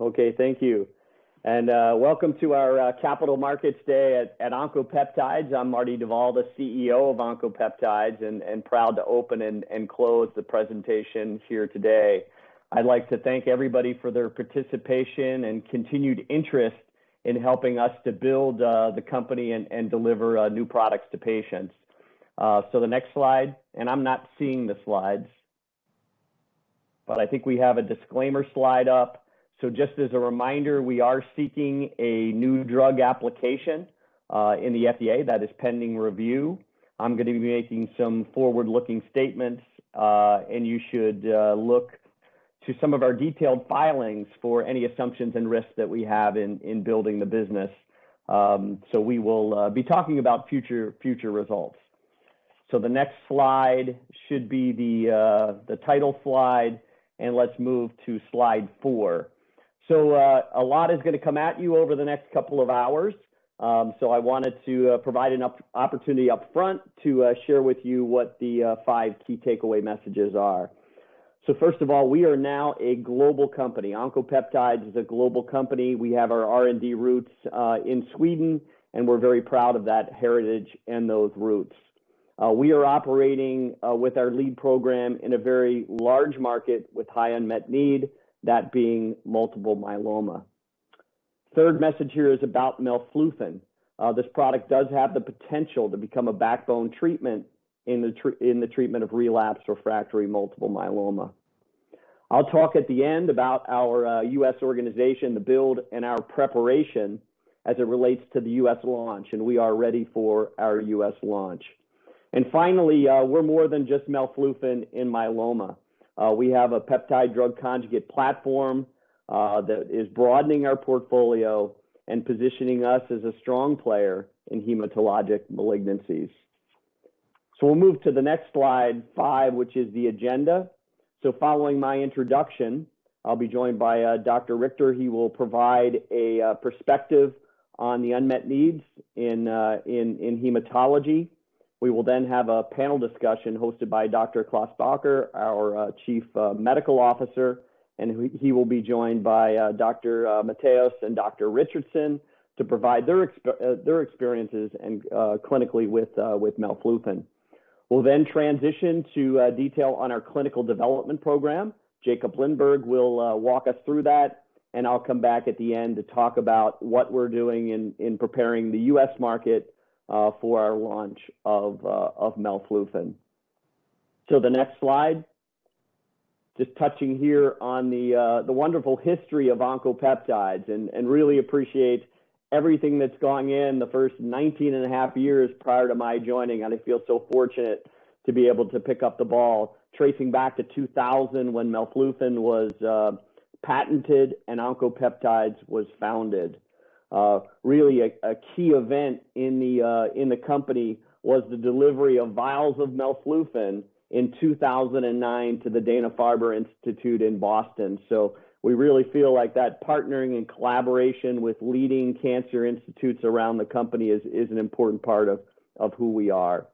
Okay, thank you. Welcome to our Capital Markets Day at Oncopeptides. I'm Marty Duvall, the CEO of Oncopeptides, and proud to open and close the presentation here today. I'd like to thank everybody for their participation and continued interest in helping us to build the company and deliver new products to patients. The next slide, and I'm not seeing the slides, but I think we have a disclaimer slide up. Just as a reminder, we are seeking a new drug application in the FDA that is pending review. I'm going to be making some forward-looking statements, and you should look to some of our detailed filings for any assumptions and risks that we have in building the business. We will be talking about future results. The next slide should be the title slide, and let's move to Slide 4. A lot is going to come at you over the next couple of hours. I wanted to provide an opportunity up front to share with you what the five key takeaway messages are. First of all, we are now a global company. Oncopeptides is a global company. We have our R&D roots in Sweden, and we're very proud of that heritage and those roots. We are operating with our lead program in a very large market with high unmet need, that being multiple myeloma. Third message here is about melflufen. This product does have the potential to become a backbone treatment in the treatment of relapsed refractory multiple myeloma. I'll talk at the end about our U.S. organization, the build, and our preparation as it relates to the U.S. launch, and we are ready for our U.S. launch. Finally, we're more than just melflufen in myeloma. We have a peptide-drug conjugate platform that is broadening our portfolio and positioning us as a strong player in hematologic malignancies. We will move to the next Slide 5, which is the agenda. Following my introduction, I'll be joined by Dr. Richter, he will provide a perspective on the unmet needs in hematology. We will then have a panel discussion hosted by Dr. Klaas Bakker, our Chief Medical Officer, and he will be joined by Dr. Mateos and Dr. Richardson to provide their experiences clinically with melflufen. We'll then transition to detail on our clinical development program. Jakob Lindberg will walk us through that, and I'll come back at the end to talk about what we're doing in preparing the U.S. market for our launch of melflufen. The next slide, just touching here on the wonderful history of Oncopeptides and really appreciate everything that's gone in the first 19.5 years prior to my joining, and I feel so fortunate to be able to pick up the ball. Tracing back to 2000 when melflufen was patented and Oncopeptides was founded. Really a key event in the company was the delivery of vials of melflufen in 2009 to the Dana-Farber Institute in Boston. We really feel like that partnering and collaboration with leading cancer institutes around the company is an important part of who we are.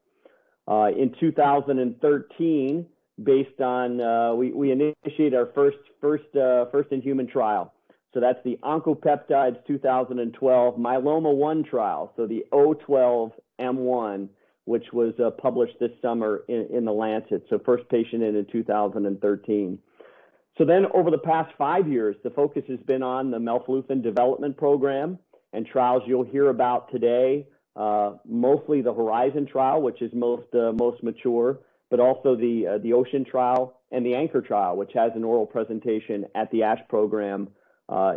In 2013, we initiated our first in human trial. That's the Oncopeptides 2012 Myeloma One trial; the O-12-M1, which was published this summer in "The Lancet." First patient-in in 2013. Over the past five years, the focus has been on the melflufen development program and trials you'll hear about today, mostly the HORIZON trial, which is most mature, but also the OCEAN trial and the ANCHOR trial, which has an oral presentation at the ASH program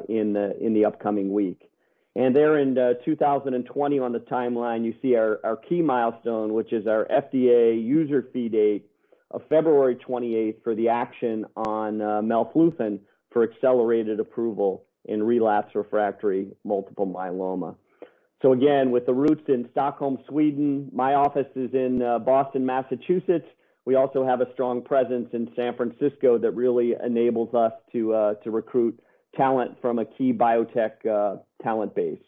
in the upcoming week. There in 2020 on the timeline, you see our key milestone, which is our FDA user fee date of February 28th for the action on melflufen for accelerated approval in relapsed refractory multiple myeloma. Again, with the roots in Stockholm, Sweden, my office is in Boston, Massachusetts. We also have a strong presence in San Francisco that really enables us to recruit talent from a key biotech talent base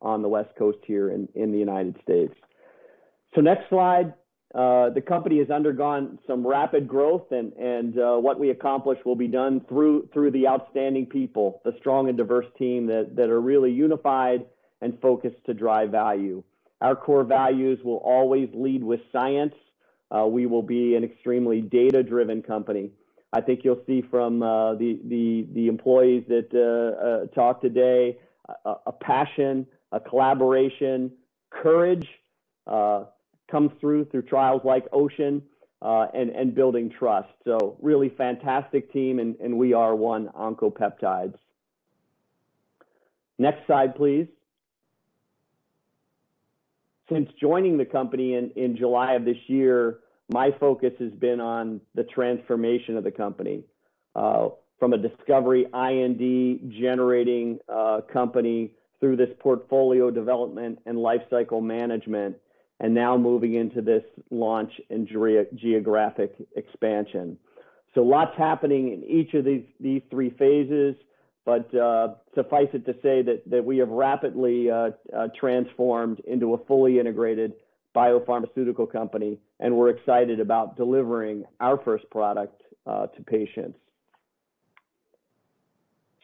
on the West Coast here in the United States. Next slide. The company has undergone some rapid growth and what we accomplish will be done through the outstanding people, the strong and diverse team that are really unified and focused to drive value. Our core values will always lead with science. We will be an extremely data-driven company. I think you'll see from the employees that talk today a passion, a collaboration, courage comes through trials like OCEAN, and building trust. Really fantastic team, we are one Oncopeptides. Next slide, please. Since joining the company in July of this year, my focus has been on the transformation of the company from a discovery IND generating company through this portfolio development and lifecycle management, and now moving into this launch and geographic expansion. Lots happening in each of these three phases. Suffice it to say that we have rapidly transformed into a fully integrated biopharmaceutical company, and we're excited about delivering our first product to patients.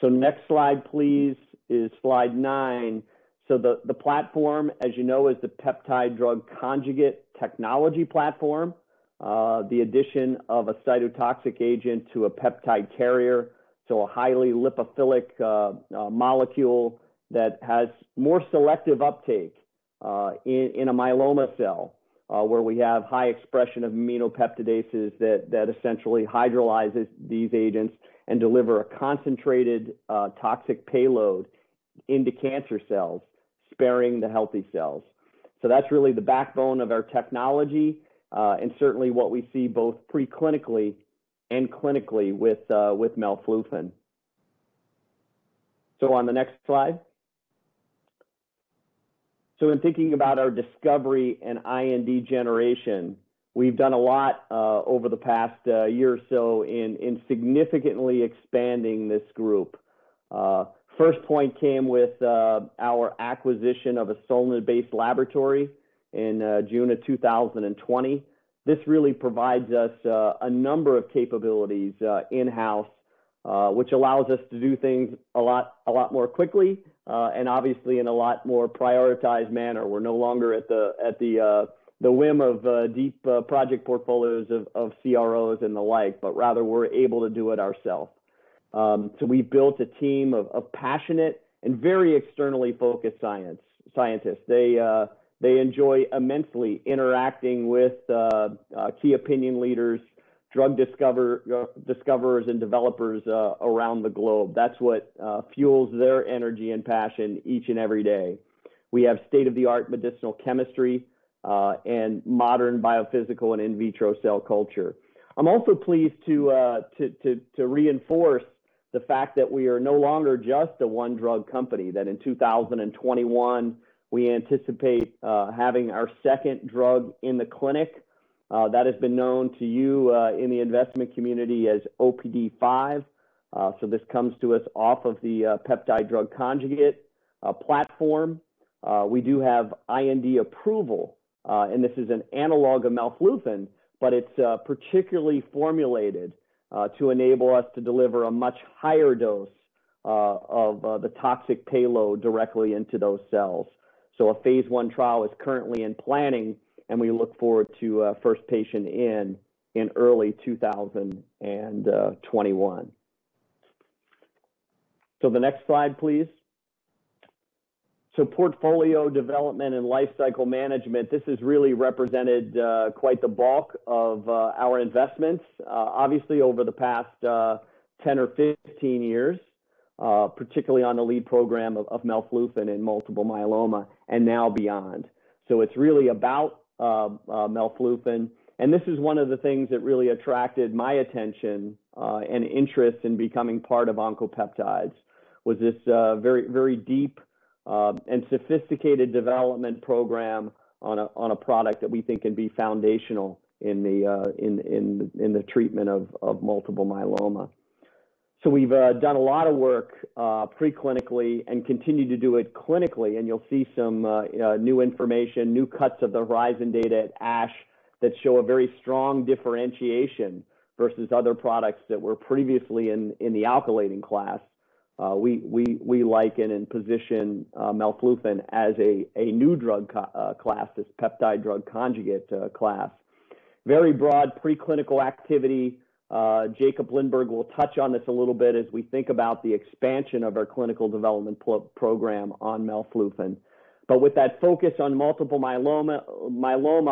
Next slide, please, is Slide 9. The platform, as you know, is the peptide-drug conjugate technology platform. The addition of a cytotoxic agent to a peptide carrier, so a highly lipophilic molecule that has more selective uptake in a myeloma cell, where we have high expression of aminopeptidases that essentially hydrolyzes these agents and deliver a concentrated toxic payload into cancer cells, sparing the healthy cells. That's really the backbone of our technology, and certainly what we see both pre-clinically and clinically with melflufen. On the next slide. In thinking about our discovery and IND generation, we've done a lot over the past year or so in significantly expanding this group. First point came with our acquisition of a Solna-based laboratory in June of 2020. This really provides us a number of capabilities in-house, which allows us to do things a lot more quickly, and obviously in a lot more prioritized manner. We're no longer at the whim of deep project portfolios of CROs and the like, but rather we're able to do it ourselves. We've built a team of passionate and very externally focused scientists. They enjoy immensely interacting with key opinion leaders, drug discoverers, and developers around the globe. That's what fuels their energy and passion each and every day. We have state-of-the-art medicinal chemistry, and modern biophysical and in vitro cell culture. I'm also pleased to reinforce the fact that we are no longer just a one-drug company, that in 2021, we anticipate having our second drug in the clinic. That has been known to you in the investment community as OPD5. This comes to us off of the peptide-drug conjugate platform. We do have IND approval, and this is an analog of melflufen, but it's particularly formulated to enable us to deliver a much higher dose of the toxic payload directly into those cells. A phase I trial is currently in planning, and we look forward to first patient in early 2021. The next slide, please. Portfolio development and lifecycle management, this has really represented quite the bulk of our investments. Obviously, over the past 10 or 15 years, particularly on the lead program of melflufen and multiple myeloma, and now beyond. It's really about melflufen, and this is one of the things that really attracted my attention and interest in becoming part of Oncopeptides, was this very deep and sophisticated development program on a product that we think can be foundational in the treatment of multiple myeloma. We've done a lot of work pre-clinically and continue to do it clinically, and you'll see some new information, new cuts of the HORIZON data at ASH that show a very strong differentiation versus other products that were previously in the alkylating class. We liken and position melflufen as a new drug class, this peptide-drug conjugate class. Very broad pre-clinical activity. Jakob Lindberg will touch on this a little bit as we think about the expansion of our clinical development program on melflufen. With that focus on multiple myeloma,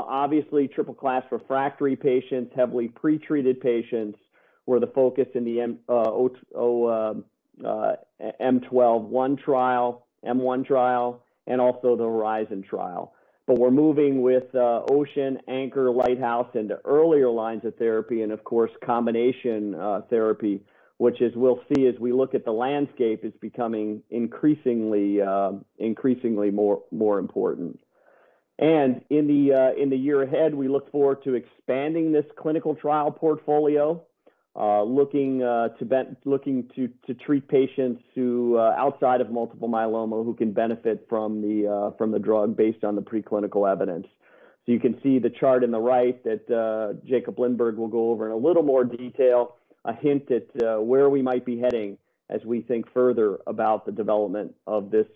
obviously triple-class refractory patients, heavily pre-treated patients were the focus in the O-12-M1 trial, M1 trial, and also the HORIZON trial. We're moving with OCEAN, ANCHOR, LIGHTHOUSE into earlier lines of therapy, and of course, combination therapy, which as we'll see as we look at the landscape, is becoming increasingly more important. In the year ahead, we look forward to expanding this clinical trial portfolio, looking to treat patients who, outside of multiple myeloma, who can benefit from the drug based on the pre-clinical evidence. You can see the chart in the right that Jakob Lindberg will go over in a little more detail, a hint at where we might be heading as we think further about the development of this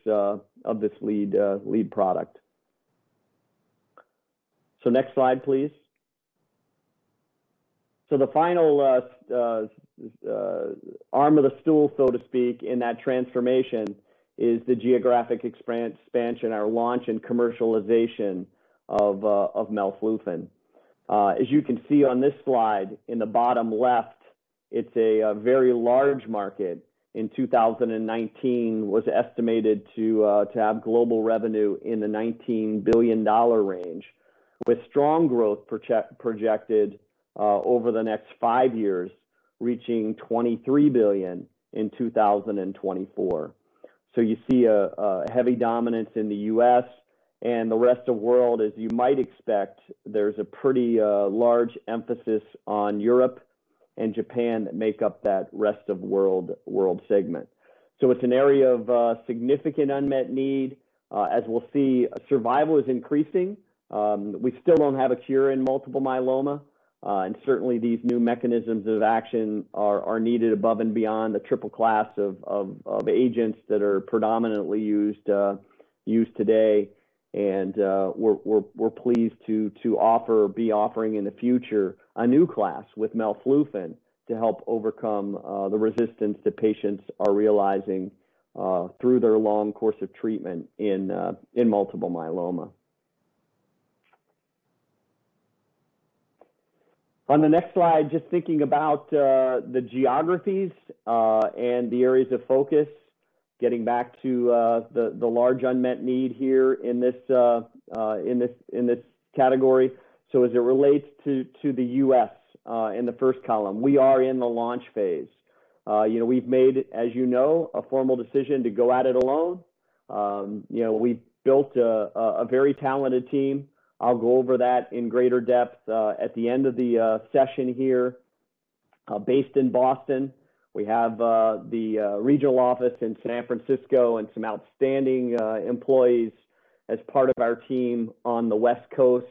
lead product. Next slide, please. The final arm of the stool, so to speak, in that transformation is the geographic expansion, our launch and commercialization of melflufen. As you can see on this slide in the bottom left, it's a very large market. In 2019, was estimated to have global revenue in the $19 billion range, with strong growth projected over the next five years, reaching $23 billion in 2024. You see a heavy dominance in the U.S. and the rest of world, as you might expect, there's a pretty large emphasis on Europe and Japan that make up that rest of world segment. It's an area of significant unmet need. As we'll see, survival is increasing, we still don't have a cure in multiple myeloma, and certainly these new mechanisms of action are needed above and beyond the triple class of agents that are predominantly used today. We're pleased to be offering in the future a new class with melflufen to help overcome the resistance that patients are realizing through their long course of treatment in multiple myeloma. On the next slide, just thinking about the geographies, and the areas of focus, getting back to the large unmet need here in this category. As it relates to the U.S., in the first column, we are in the launch phase. We've made, as you know, a formal decision to go at it alone. We built a very talented team, I'll go over that in greater depth at the end of the session here, based in Boston. We have the regional office in San Francisco and some outstanding employees as part of our team on the West Coast.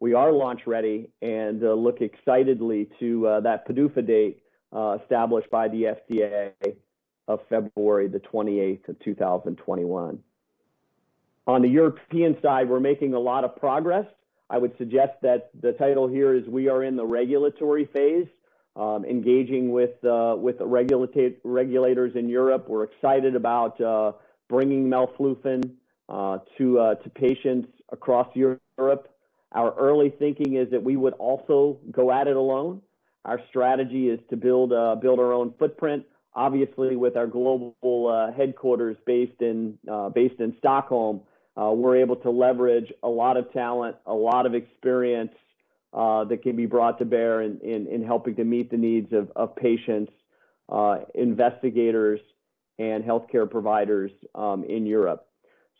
We are launch-ready and look excitedly to that PDUFA date, established by the FDA of February the 28th of 2021. On the European side, we're making a lot of progress, I would suggest that the title here is we are in the regulatory phase, engaging with regulators in Europe. We're excited about bringing melflufen to patients across Europe, our early thinking is that we would also go at it alone, our strategy is to build our own footprint. Obviously, with our global headquarters based in Stockholm, we're able to leverage a lot of talent, a lot of experience, that can be brought to bear in helping to meet the needs of patients, investigators, and healthcare providers in Europe.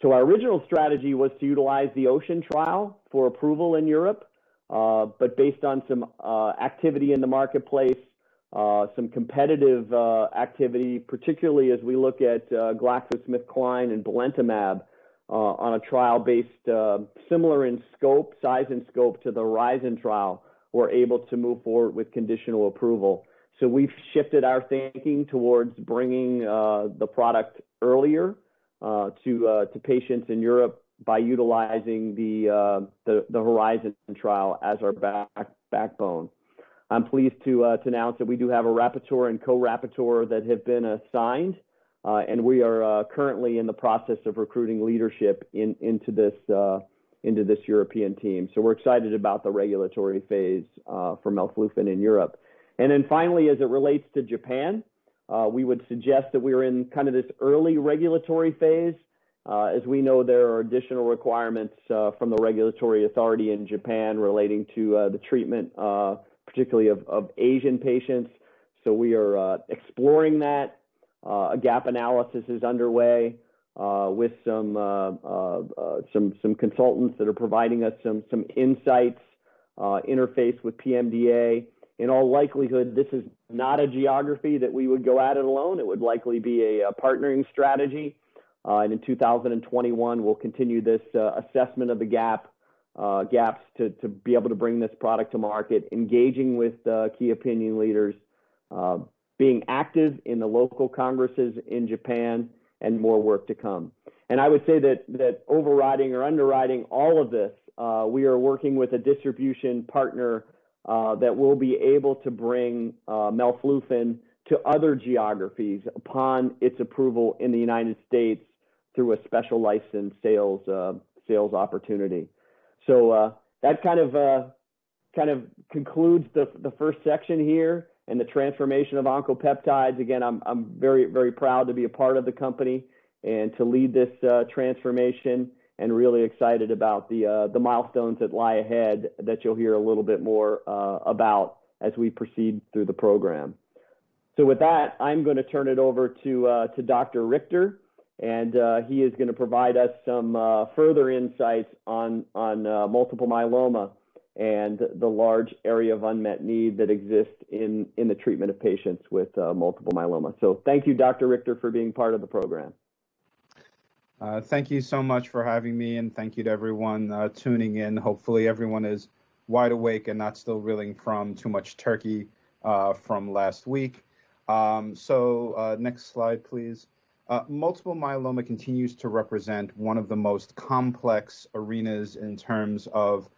Our original strategy was to utilize the OCEAN trial for approval in Europe. Based on some activity in the marketplace, some competitive activity, particularly as we look at GlaxoSmithKline in belantamab on a trial based, similar in size and scope to the HORIZON trial, we're able to move forward with conditional approval. We've shifted our thinking towards bringing the product earlier to patients in Europe by utilizing the HORIZON trial as our backbone. I'm pleased to announce that we do have a rapporteur and co-rapporteur that have been assigned. We are currently in the process of recruiting leadership into this European team. We're excited about the regulatory phase for melflufen in Europe. Finally, as it relates to Japan, we would suggest that we are in kind of this early regulatory phase. As we know, there are additional requirements from the regulatory authority in Japan relating to the treatment, particularly of Asian patients. We are exploring that. A gap analysis is underway, with some consultants that are providing us some insights, interface with PMDA. In all likelihood, this is not a geography that we would go at it alone, it would likely be a partnering strategy. In 2021, we'll continue this assessment of the gaps to be able to bring this product to market, engaging with key opinion leaders, being active in the local congresses in Japan, and more work to come. I would say that overriding or underwriting all of this, we are working with a distribution partner, that will be able to bring melflufen to other geographies upon its approval in the United States through a special licensed sales opportunity. That kind of concludes the first section here and the transformation of Oncopeptides. Again, I'm very proud to be a part of the company and to lead this transformation, and really excited about the milestones that lie ahead that you'll hear a little bit more about as we proceed through the program. With that, I'm going to turn it over to Dr. Richter, and he is going to provide us some further insights on multiple myeloma and the large area of unmet need that exists in the treatment of patients with multiple myeloma. Thank you, Dr. Richter, for being part of the program. Thank you so much for having me, thank you to everyone tuning in. Hopefully, everyone is wide awake and not still reeling from too much turkey from last week. Next slide, please. Multiple myeloma continues to represent one of the most complex arenas in terms of,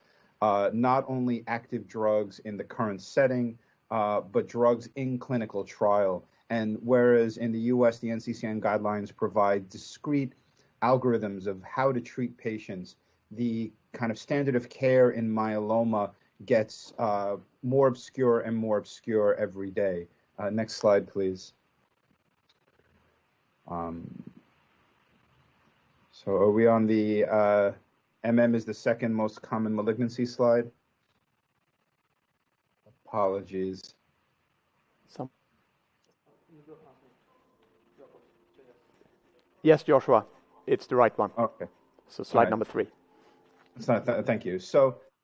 not only active drugs in the current setting, but drugs in clinical trial. Whereas in the U.S. the NCCN guidelines provide discrete algorithms of how to treat patients, the kind of standard of care in myeloma gets more obscure and more obscure every day. Next slide, please. Are we on the MM is the second most common malignancy slide? Apologies. Some. You go after. Joshua, say yes. Yes, Joshua, it's the right one. Okay. Slide 3. Thank you.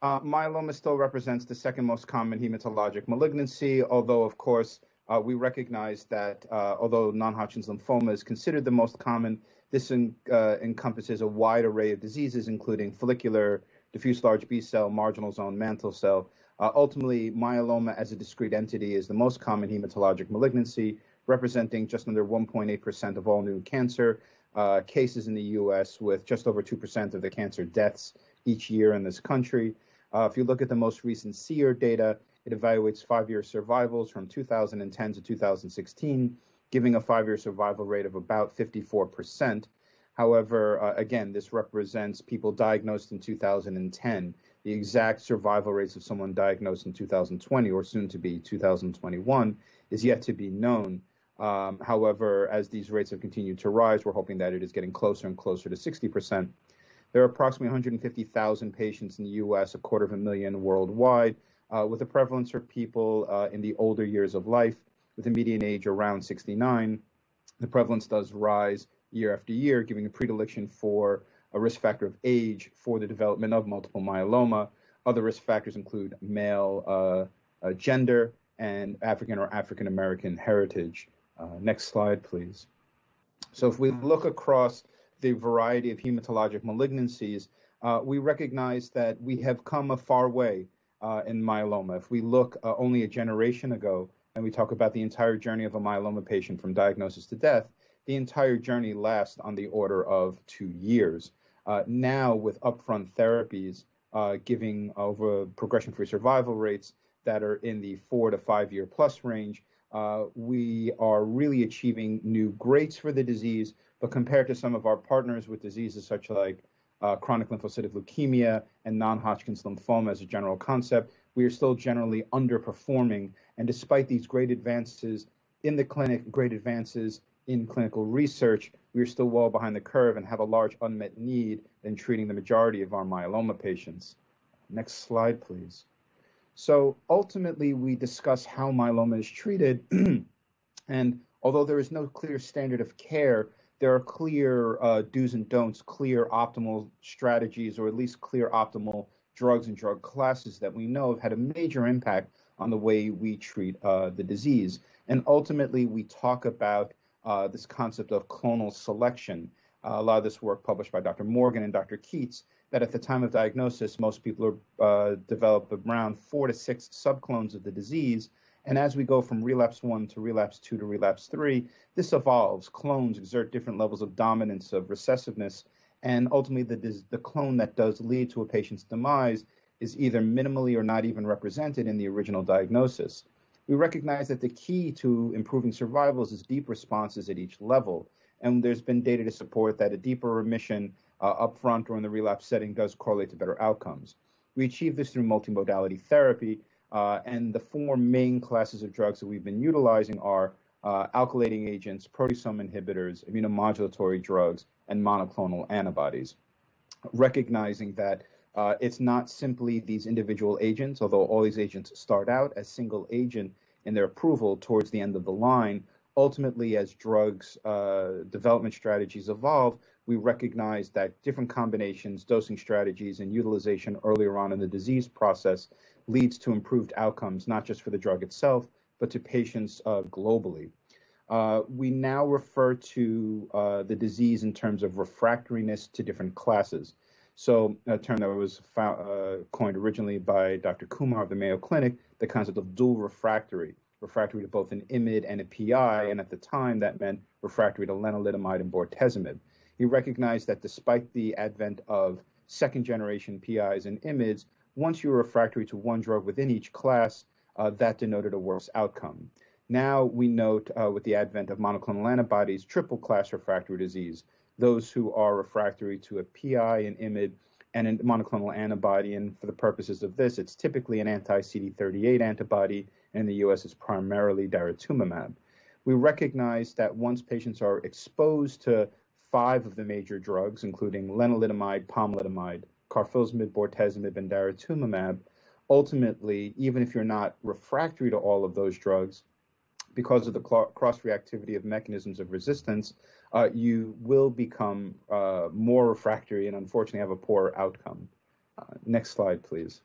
Myeloma still represents the second most common hematologic malignancy, although, of course, we recognize that although non-Hodgkin's lymphoma is considered the most common, this encompasses a wide array of diseases, including follicular, diffuse large B-cell, marginal zone, mantle cell. Ultimately, myeloma as a discrete entity is the most common hematologic malignancy, representing just under 1.8% of all new cancer cases in the U.S., with just over 2% of the cancer deaths each year in this country. If you look at the most recent SEER data, it evaluates five-year survivals from 2010 to 2016, giving a five-year survival rate of about 54%. However, again, this represents people diagnosed in 2010. The exact survival rates of someone diagnosed in 2020 or soon to be 2021 is yet to be known. However, as these rates have continued to rise, we're hoping that it is getting closer and closer to 60%. There are approximately 150,000 patients in the U.S., 250,000 worldwide, with a prevalence for people in the older years of life, with a median age around 69. The prevalence does rise year-after-year, giving a predilection for a risk factor of age for the development of multiple myeloma. Other risk factors include male gender and African or African American heritage. Next slide, please. If we look across the variety of hematologic malignancies, we recognize that we have come a far way in myeloma. If we look only a generation ago, and we talk about the entire journey of a myeloma patient from diagnosis to death, the entire journey lasts on the order of two years. Now, with upfront therapies, giving over progression-free survival rates that are in the four to five-year plus range, we are really achieving new greats for the disease. Compared to some of our partners with diseases such like chronic lymphocytic leukemia and non-Hodgkin's lymphoma as a general concept, we are still generally underperforming. Despite these great advances in the clinic, great advances in clinical research, we are still well behind the curve and have a large unmet need in treating the majority of our myeloma patients. Next slide, please. Ultimately, we discuss how myeloma is treated, although there is no clear standard of care, there are clear dos and don'ts, clear optimal strategies, or at least clear optimal drugs and drug classes that we know have had a major impact on the way we treat the disease. Ultimately, we talk about this concept of clonal selection. A lot of this work published by Dr. Morgan and Dr. Keats, that at the time of diagnosis, most people develop around four to six sub-clones of the disease. As we go from Relapse 1 to Relapse 2 to Relapse 3, this evolves. Clones exert different levels of dominance, of recessiveness, and ultimately, the clone that does lead to a patient's demise is either minimally or not even represented in the original diagnosis. We recognize that the key to improving survivals is deep responses at each level, and there's been data to support that a deeper remission upfront or in the relapse setting does correlate to better outcomes. We achieve this through multimodality therapy. The four main classes of drugs that we've been utilizing are alkylating agents, proteasome inhibitors, immunomodulatory drugs, and monoclonal antibodies. Recognizing that it's not simply these individual agents, although all these agents start out as single agent in their approval towards the end of the line, ultimately, as drugs development strategies evolve, we recognize that different combinations, dosing strategies, and utilization earlier on in the disease process leads to improved outcomes, not just for the drug itself, but to patients globally. We now refer to the disease in terms of refractoriness to different classes. A term that was coined originally by Dr. Kumar of the Mayo Clinic, the concept of dual refractory to both an IMiD and a PI, and at the time, that meant refractory to lenalidomide and bortezomib. He recognized that despite the advent of second-generation PIs and IMiDs, once you were refractory to one drug within each class, that denoted a worse outcome. Now, we note with the advent of monoclonal antibodies, triple class refractory disease, those who are refractory to a PI, an IMiD, and a monoclonal antibody, and for the purposes of this, it's typically an anti-CD38 antibody, in the U.S. it's primarily daratumumab. We recognize that once patients are exposed to five of the major drugs, including lenalidomide, pomalidomide, carfilzomib, bortezomib, and daratumumab, ultimately, even if you're not refractory to all of those drugs, because of the cross-reactivity of mechanisms of resistance, you will become more refractory and unfortunately have a poorer outcome. Next slide, please.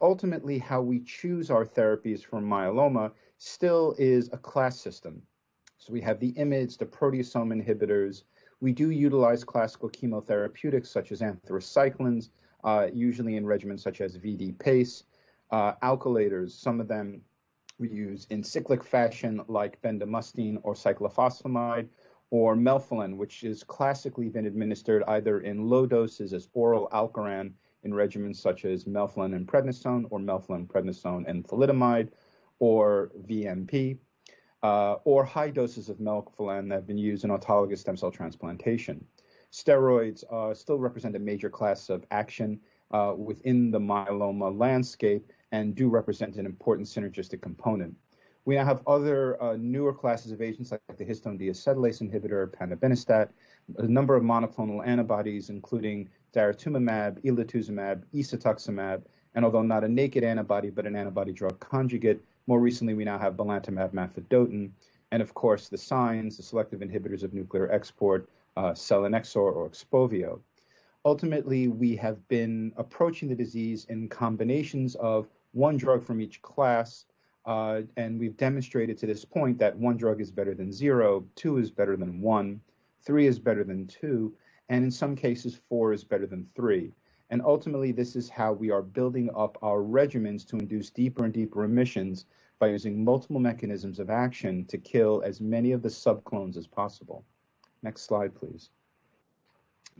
Ultimately, how we choose our therapies for myeloma still is a class system. We have the IMiDs, the proteasome inhibitors. We do utilize classical chemotherapeutics such as anthracyclines, usually in regimens such as VD-PACE. Alkylators, some of them we use in cyclic fashion, like bendamustine or cyclophosphamide, or melphalan, which has classically been administered either in low doses as oral ALKERAN in regimens such as melphalan and prednisone, or melphalan, prednisone, and thalidomide, or VMP, or high doses of melphalan that have been used in autologous stem cell transplantation. Steroids still represent a major class of action within the myeloma landscape and do represent an important synergistic component. We now have other newer classes of agents like the histone deacetylase inhibitor, panobinostat, a number of monoclonal antibodies, including daratumumab, elotuzumab, isatuximab, and although not a naked antibody, but an antibody drug conjugate, more recently, we now have belantamab mafodotin, and of course, the SINEs, the selective inhibitors of nuclear export, selinexor or XPOVIO. Ultimately, we have been approaching the disease in combinations of one drug from each class, and we've demonstrated to this point that one drug is better than zero, two is better than one, three is better than two, and in some cases, four is better than three. Ultimately, this is how we are building up our regimens to induce deeper and deeper remissions by using multiple mechanisms of action to kill as many of the subclones as possible. Next slide, please.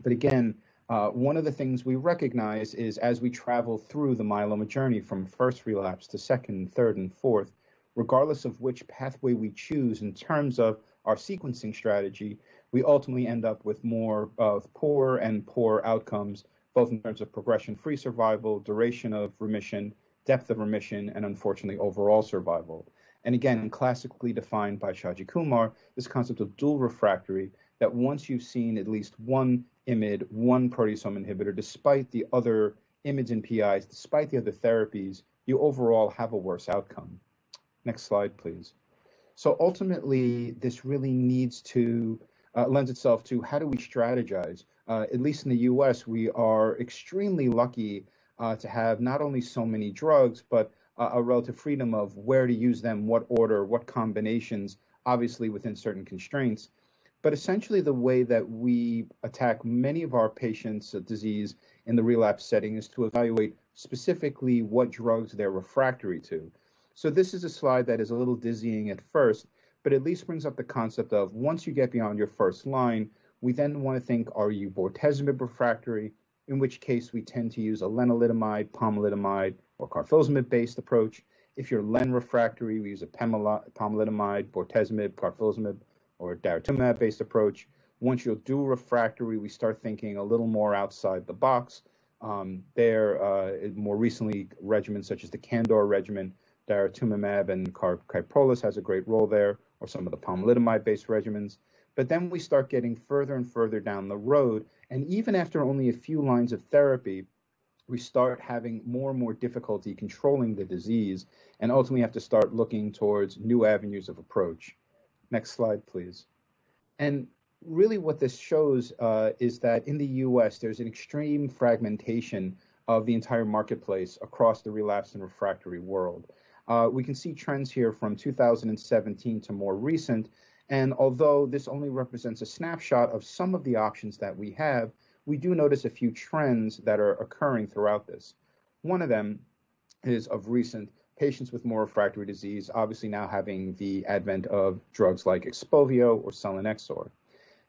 Again, one of the things we recognize is as we travel through the myeloma journey from first relapse to second, third, and fourth, regardless of which pathway we choose in terms of our sequencing strategy, we ultimately end up with more of poor and poorer outcomes, both in terms of progression-free survival, duration of remission, depth of remission, and unfortunately, overall survival. Again, classically defined by Shaji Kumar, this concept of dual refractory, that once you've seen at least one IMiD, one proteasome inhibitor, despite the other IMiD and PIs, despite the other therapies, you overall have a worse outcome. Next slide, please. Ultimately, this really lends itself to how do we strategize? At least in the U.S., we are extremely lucky to have not only so many drugs, but a relative freedom of where to use them, what order, what combinations, obviously within certain constraints. Essentially the way that we attack many of our patients' disease in the relapse setting is to evaluate specifically what drugs they're refractory to. This is a slide that is a little dizzying at first, but at least brings up the concept of once you get beyond your first line, we then want to think, are you bortezomib refractory? In which case, we tend to use a lenalidomide, pomalidomide, or carfilzomib-based approach. If you're len refractory, we use a pomalidomide, bortezomib, carfilzomib, or daratumumab-based approach. Once you're dual refractory, we start thinking a little more outside the box. There, more recently, regimens such as the CANDOR regimen, daratumumab, and carfilzomib has a great role there, or some of the pomalidomide-based regimens. We start getting further and further down the road, and even after only a few lines of therapy, we start having more and more difficulty controlling the disease and ultimately have to start looking towards new avenues of approach. Next slide, please. Really what this shows is that in the U.S., there's an extreme fragmentation of the entire marketplace across the relapse and refractory world. We can see trends here from 2017 to more recent, and although this only represents a snapshot of some of the options that we have, we do notice a few trends that are occurring throughout this. One of them is of recent patients with more refractory disease, obviously now having the advent of drugs like XPOVIO or selinexor.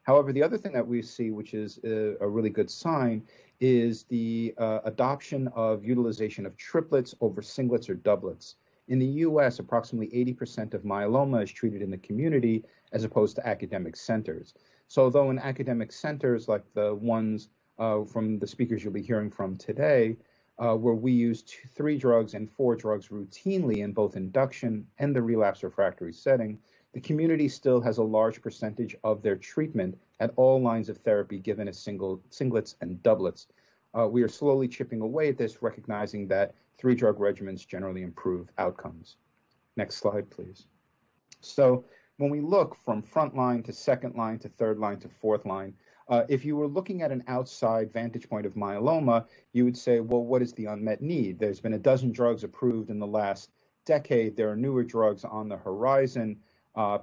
The other thing that we see, which is a really good sign, is the adoption of utilization of triplets over singlets or doublets. In the U.S., approximately 80% of myeloma is treated in the community as opposed to academic centers. Although in academic centers like the ones from the speakers you'll be hearing from today, where we use three drugs and four drugs routinely in both induction and the relapse refractory setting, the community still has a large percentage of their treatment at all lines of therapy given as singlets and doublets. We are slowly chipping away at this, recognizing that three drug regimens generally improve outcomes. Next slide, please. When we look from front line to second line to third line to fourth line, if you were looking at an outside vantage point of multiple myeloma, you would say, well, what is the unmet need? There's been 12 drugs approved in the last decade, there are newer drugs on the horizon,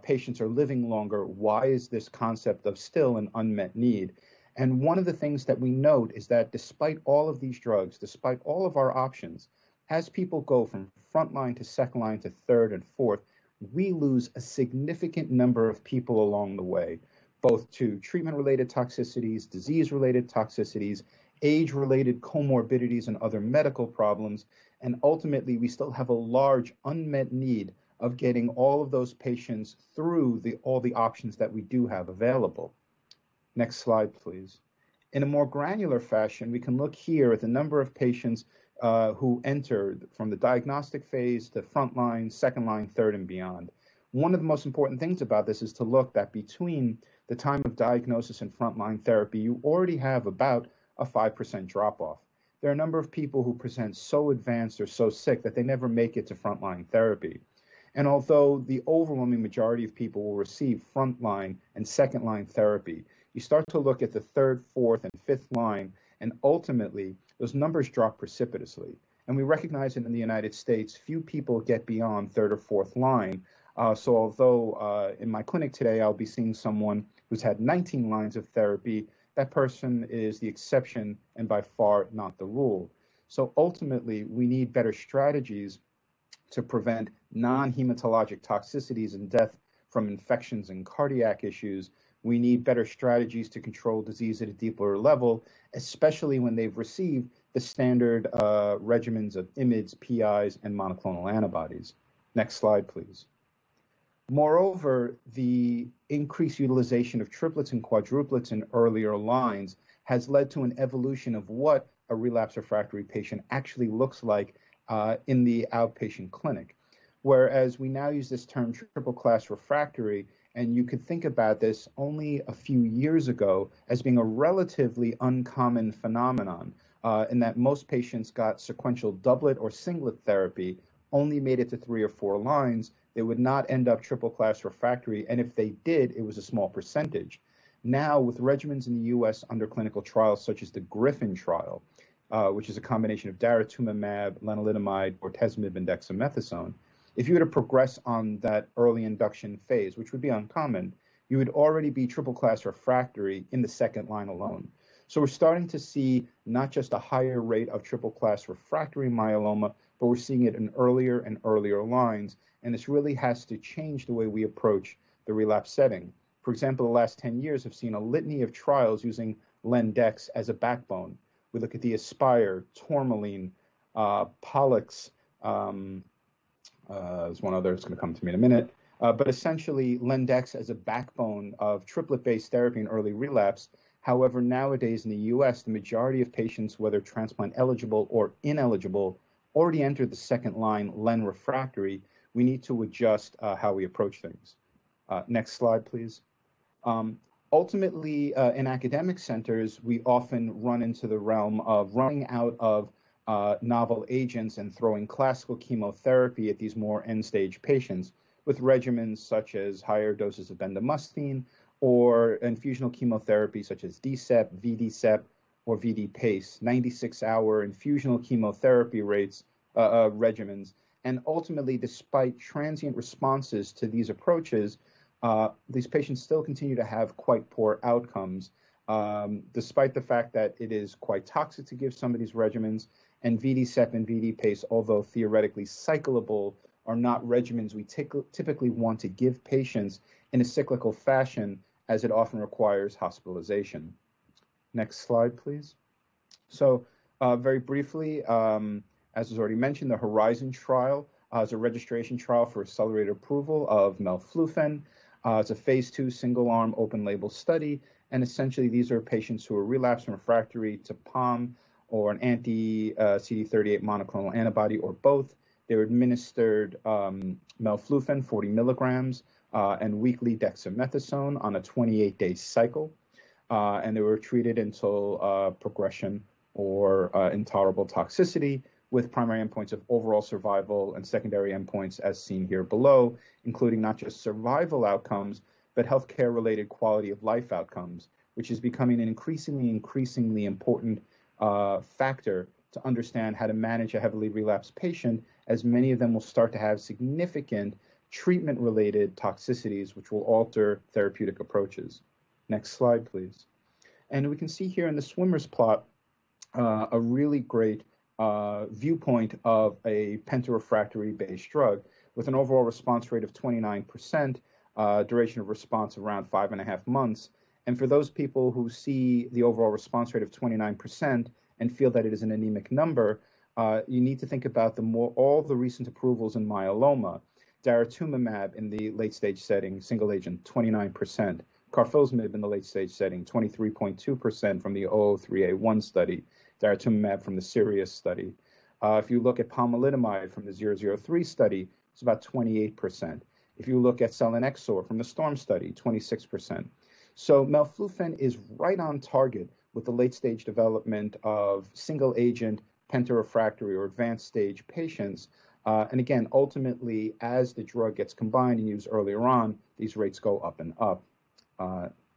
patients are living longer. Why is this concept of still an unmet need? One of the things that we note is that despite all of these drugs, despite all of our options, as people go from front line to second line to third and fourth, we lose a significant number of people along the way, both to treatment-related toxicities, disease-related toxicities, age-related comorbidities, and other medical problems. Ultimately, we still have a large unmet need of getting all of those patients through all the options that we do have available. Next slide, please. In a more granular fashion, we can look here at the number of patients who entered from the diagnostic phase to frontline, second line, third, and beyond. One of the most important things about this is to look that between the time of diagnosis and frontline therapy, you already have about a 5% drop-off. There are a number of people who present so advanced or so sick that they never make it to frontline therapy. Although the overwhelming majority of people will receive frontline and second-line therapy, you start to look at the third, fourth, and fifth line, and ultimately, those numbers drop precipitously. We recognize that in the United States, few people get beyond third or fourth line. Although in my clinic today, I'll be seeing someone who's had 19 lines of therapy, that person is the exception and by far not the rule. Ultimately, we need better strategies to prevent non-hematologic toxicities and death from infections and cardiac issues. We need better strategies to control disease at a deeper level, especially when they've received the standard regimens of IMiDs, PIs, and monoclonal antibodies. Next slide, please. The increased utilization of triplets and quadruplets in earlier lines has led to an evolution of what a relapse refractory patient actually looks like in the outpatient clinic. We now use this term triple-class refractory, and you could think about this only a few years ago as being a relatively uncommon phenomenon, in that most patients got sequential doublet or singlet therapy, only made it to three or four lines, they would not end up triple-class refractory, and if they did, it was a small percentage. With regimens in the U.S. under clinical trials such as the GRIFFIN trial, which is a combination of daratumumab, lenalidomide, bortezomib, and dexamethasone, if you were to progress on that early induction phase, which would be uncommon, you would already be triple-class refractory in the second line alone. We're starting to see not just a higher rate of triple-class refractory myeloma, but we're seeing it in earlier and earlier lines, and this really has to change the way we approach the relapse setting. For example, the last 10 years have seen a litany of trials using LenDex as a backbone. We look at the ASPIRE, TOURMALINE, POLLUX, there's one other that's going to come to me in a minute. Essentially, LenDex as a backbone of triplet-based therapy in early relapse. However, nowadays in the U.S., the majority of patients, whether transplant eligible or ineligible, already enter the second line len refractory. We need to adjust how we approach things. Next slide, please. Ultimately, in academic centers, we often run into the realm of running out of novel agents and throwing classical chemotherapy at these more end-stage patients with regimens such as higher doses of bendamustine or infusional chemotherapy such as DCEP, VD-CEP, or VD-PACE, 96-hour infusional chemotherapy regimens. Ultimately, despite transient responses to these approaches, these patients still continue to have quite poor outcomes, despite the fact that it is quite toxic to give some of these regimens. VD-CEP and VD-PACE, although theoretically cyclable, are not regimens we typically want to give patients in a cyclical fashion as it often requires hospitalization. Next slide, please. Very briefly, as was already mentioned, the HORIZON trial is a registration trial for accelerated approval of melflufen. It's a phase II single-arm open label study. Essentially, these are patients who are relapsed and refractory to POM or an anti-CD38 monoclonal antibody, or both. They were administered melflufen 40 mg and weekly dexamethasone on a 28-day cycle. They were treated until progression or intolerable toxicity with primary endpoints of overall survival and secondary endpoints as seen here below, including not just survival outcomes, but healthcare-related quality of life outcomes, which is becoming an increasingly important factor to understand how to manage a heavily relapsed patient, as many of them will start to have significant treatment-related toxicities which will alter therapeutic approaches. Next slide, please. We can see here in the swimmers plot a really great viewpoint of a penta-refractory peptide-drug with an overall response rate of 29%, duration of response around 5.5 months. For those people who see the overall response rate of 29% and feel that it is an anemic number, you need to think about all the recent approvals in myeloma. Daratumumab in the late stage setting, single agent, 29%, carfilzomib in the late stage setting, 23.2% from the 003-A1 study, daratumumab from the SIRIUS study. If you look at pomalidomide from the 003 study, it's about 28%, if you look at selinexor from the STORM study, 26%. Melflufen is right on target with the late stage development of single agent penta-refractory or advanced stage patients. Again, ultimately, as the drug gets combined and used earlier on, these rates go up and up.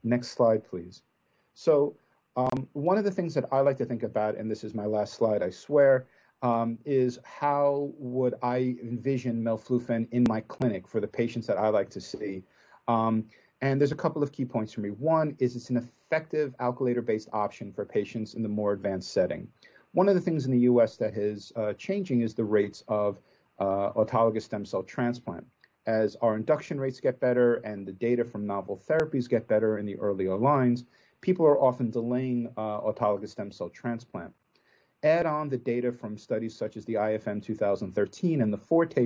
Next slide, please. One of the things that I like to think about, and this is my last slide, I swear, is how would I envision melflufen in my clinic for the patients that I like to see. There's a couple of key points for me. One is it's an effective alkylator-based option for patients in the more advanced setting. One of the things in the U.S. that is changing is the rates of autologous stem cell transplant. As our induction rates get better and the data from novel therapies get better in the earlier lines, people are often delaying autologous stem cell transplant. Add on the data from studies such as the IFM 2013 and the FORTE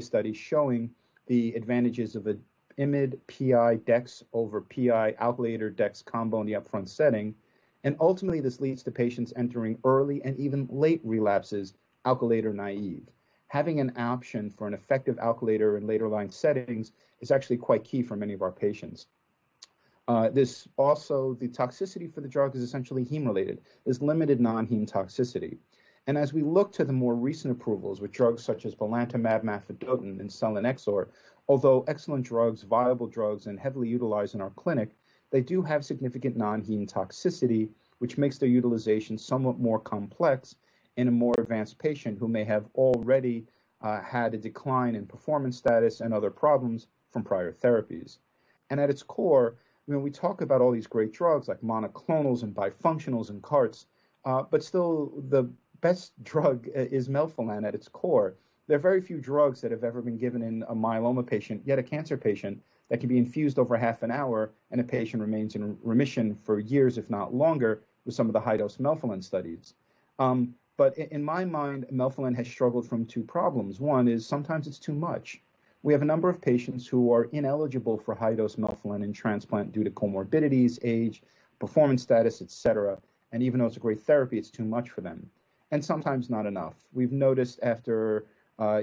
study showing the advantages of an IMiD/PI/dex over PI alkylator dex combo in the upfront setting. Ultimately, this leads to patients entering early and even late relapses alkylator naive. Having an option for an effective alkylator in later line settings is actually quite key for many of our patients. The toxicity for the drug is essentially heme related. There's limited non-heme toxicity. As we look to the more recent approvals with drugs such as belantamab mafodotin and selinexor, although excellent drugs, viable drugs, and heavily utilized in our clinic, they do have significant non-heme toxicity, which makes their utilization somewhat more complex in a more advanced patient who may have already had a decline in performance status and other problems from prior therapies. At its core, when we talk about all these great drugs like monoclonals and bifunctionals and CAR-Ts, but still the best drug is melphalan at its core. There are very few drugs that have ever been given in a myeloma patient, yet a cancer patient, that can be infused over half an hour, and a patient remains in remission for years if not longer with some of the high-dose melphalan studies. In my mind, melphalan has struggled from two problems; one is sometimes it's too much. We have a number of patients who are ineligible for high-dose melphalan and transplant due to comorbidities, age, performance status, et cetera. Even though it's a great therapy, it's too much for them, and sometimes not enough. We've noticed after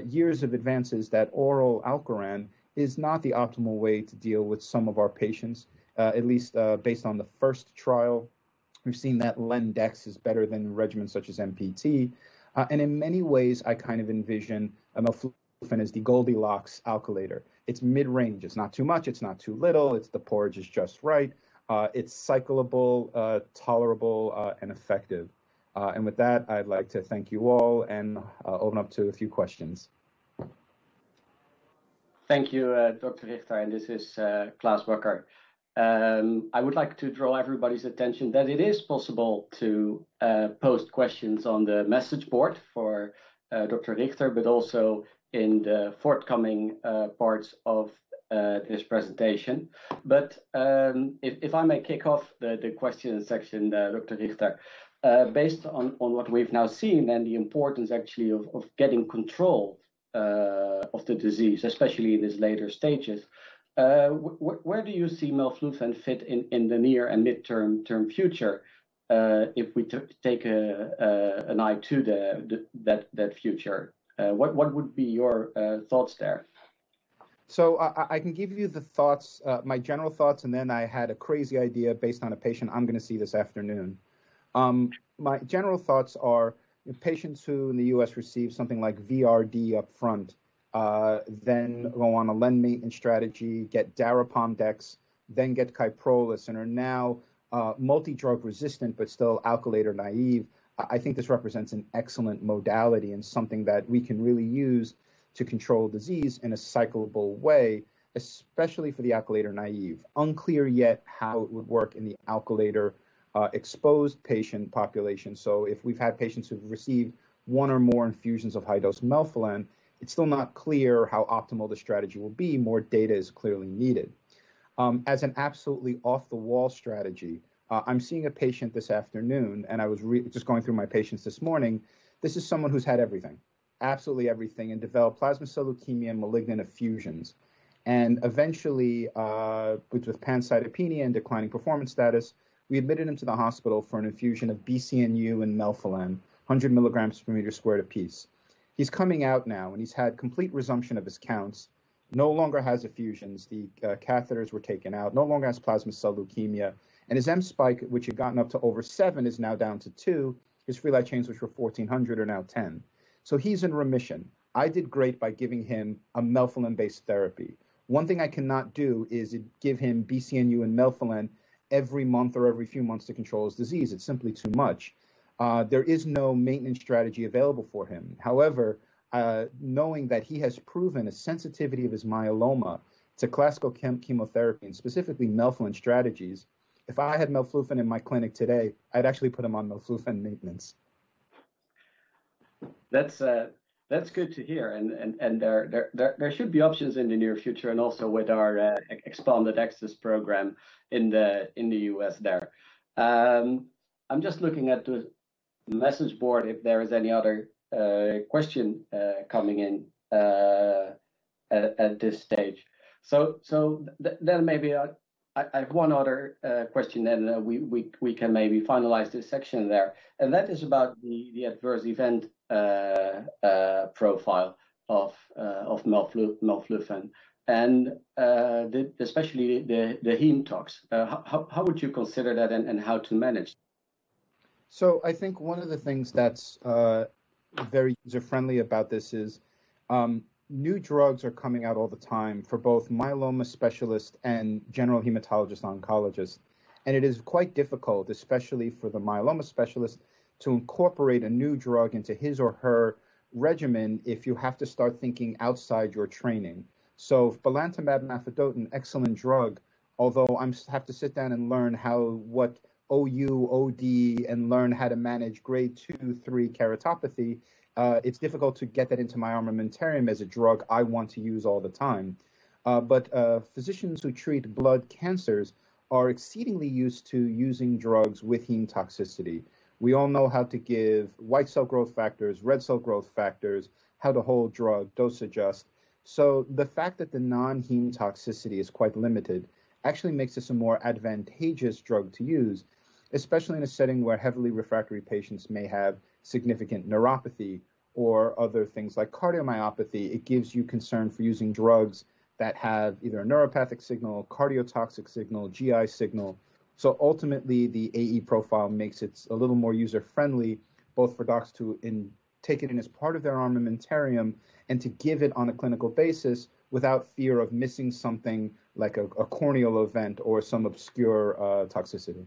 years of advances that oral ALKERAN is not the optimal way to deal with some of our patients, at least based on the first trial. We've seen that LenDex is better than regimens such as MPT. In many ways, I envision a melphalan as the Goldilocks alkylator. It's mid-range. It's not too much, it's not too little. The porridge is just right. It's cyclable, tolerable, and effective. With that, I'd like to thank you all and open up to a few questions. Thank you, Dr. Richter. This is Klaas Bakker. I would like to draw everybody's attention that it is possible to post questions on the message board for Dr. Richter, but also in the forthcoming parts of this presentation. If I may kick off the questions section, Dr. Richter. Based on what we've now seen and the importance actually of getting control of the disease, especially in its later stages, where do you see melflufen fit in the near and midterm term future if we take an eye to that future? What would be your thoughts there? I can give you my general thoughts, and then I had a crazy idea based on a patient I'm going to see this afternoon. My general thoughts are if patients who in the U.S. receive something like VRd up front, then go on a lenalidomide strategy, get dara-pom-dex, then get Kyprolis, and are now multi-drug resistant but still alkylator naive, I think this represents an excellent modality and something that we can really use to control disease in a cyclable way, especially for the alkylator naive. Unclear yet how it would work in the alkylator-exposed patient population. If we've had patients who've received one or more infusions of high-dose melphalan, it's still not clear how optimal the strategy will be, more data is clearly needed. As an absolutely off-the-wall strategy, I'm seeing a patient this afternoon, and I was just going through my patients this morning. This is someone who's had everything, absolutely everything, and developed plasma cell leukemia and malignant effusions, and eventually, with pancytopenia and declining performance status, we admitted him to the hospital for an infusion of BCNU and melphalan, 100 mg/m(2) a piece. He's coming out now, and he's had complete resumption of his counts, no longer has effusions, the catheters were taken out. No longer has plasma cell leukemia, and his M-spike, which had gotten up to over seven, is now down to two, his free light chains, which were 1,400, are now 10. He's in remission, I did great by giving him a melphalan-based therapy. One thing I cannot do is give him BCNU and melphalan every month or every few months to control his disease, it's simply too much. There is no maintenance strategy available for him. However, knowing that he has proven a sensitivity of his myeloma to classical chemotherapy and specifically melphalan strategies, if I had melflufen in my clinic today, I'd actually put him on melflufen maintenance. That's good to hear. There should be options in the near future, also with our expanded access program in the U.S. there. I'm just looking at the message board if there is any other question coming in at this stage. Maybe I have one other question, then we can maybe finalize this section there, and that is about the adverse event profile of melflufen and especially the heme tox. How would you consider that and how to manage? I think one of the things that's very user-friendly about this is new drugs are coming out all the time for both myeloma specialists and general hematologist oncologists, and it is quite difficult, especially for the myeloma specialist, to incorporate a new drug into his or her regimen if you have to start thinking outside your training. Belantamab mafodotin, excellent drug, although I have to sit down and learn what OU, OD, and learn how to manage grade 2, 3 keratopathy. It's difficult to get that into my armamentarium as a drug I want to use all the time. Physicians who treat blood cancers are exceedingly used to using drugs with heme toxicity. We all know how to give white cell growth factors, red cell growth factors, how to hold drug, dose adjust. The fact that the non-heme toxicity is quite limited actually makes this a more advantageous drug to use, especially in a setting where heavily refractory patients may have significant neuropathy or other things like cardiomyopathy. It gives you concern for using drugs that have either a neuropathic signal, cardiotoxic signal, GI signal. Ultimately, the AE profile makes it a little more user-friendly, both for docs to take it in as part of their armamentarium and to give it on a clinical basis without fear of missing something like a corneal event or some obscure toxicity.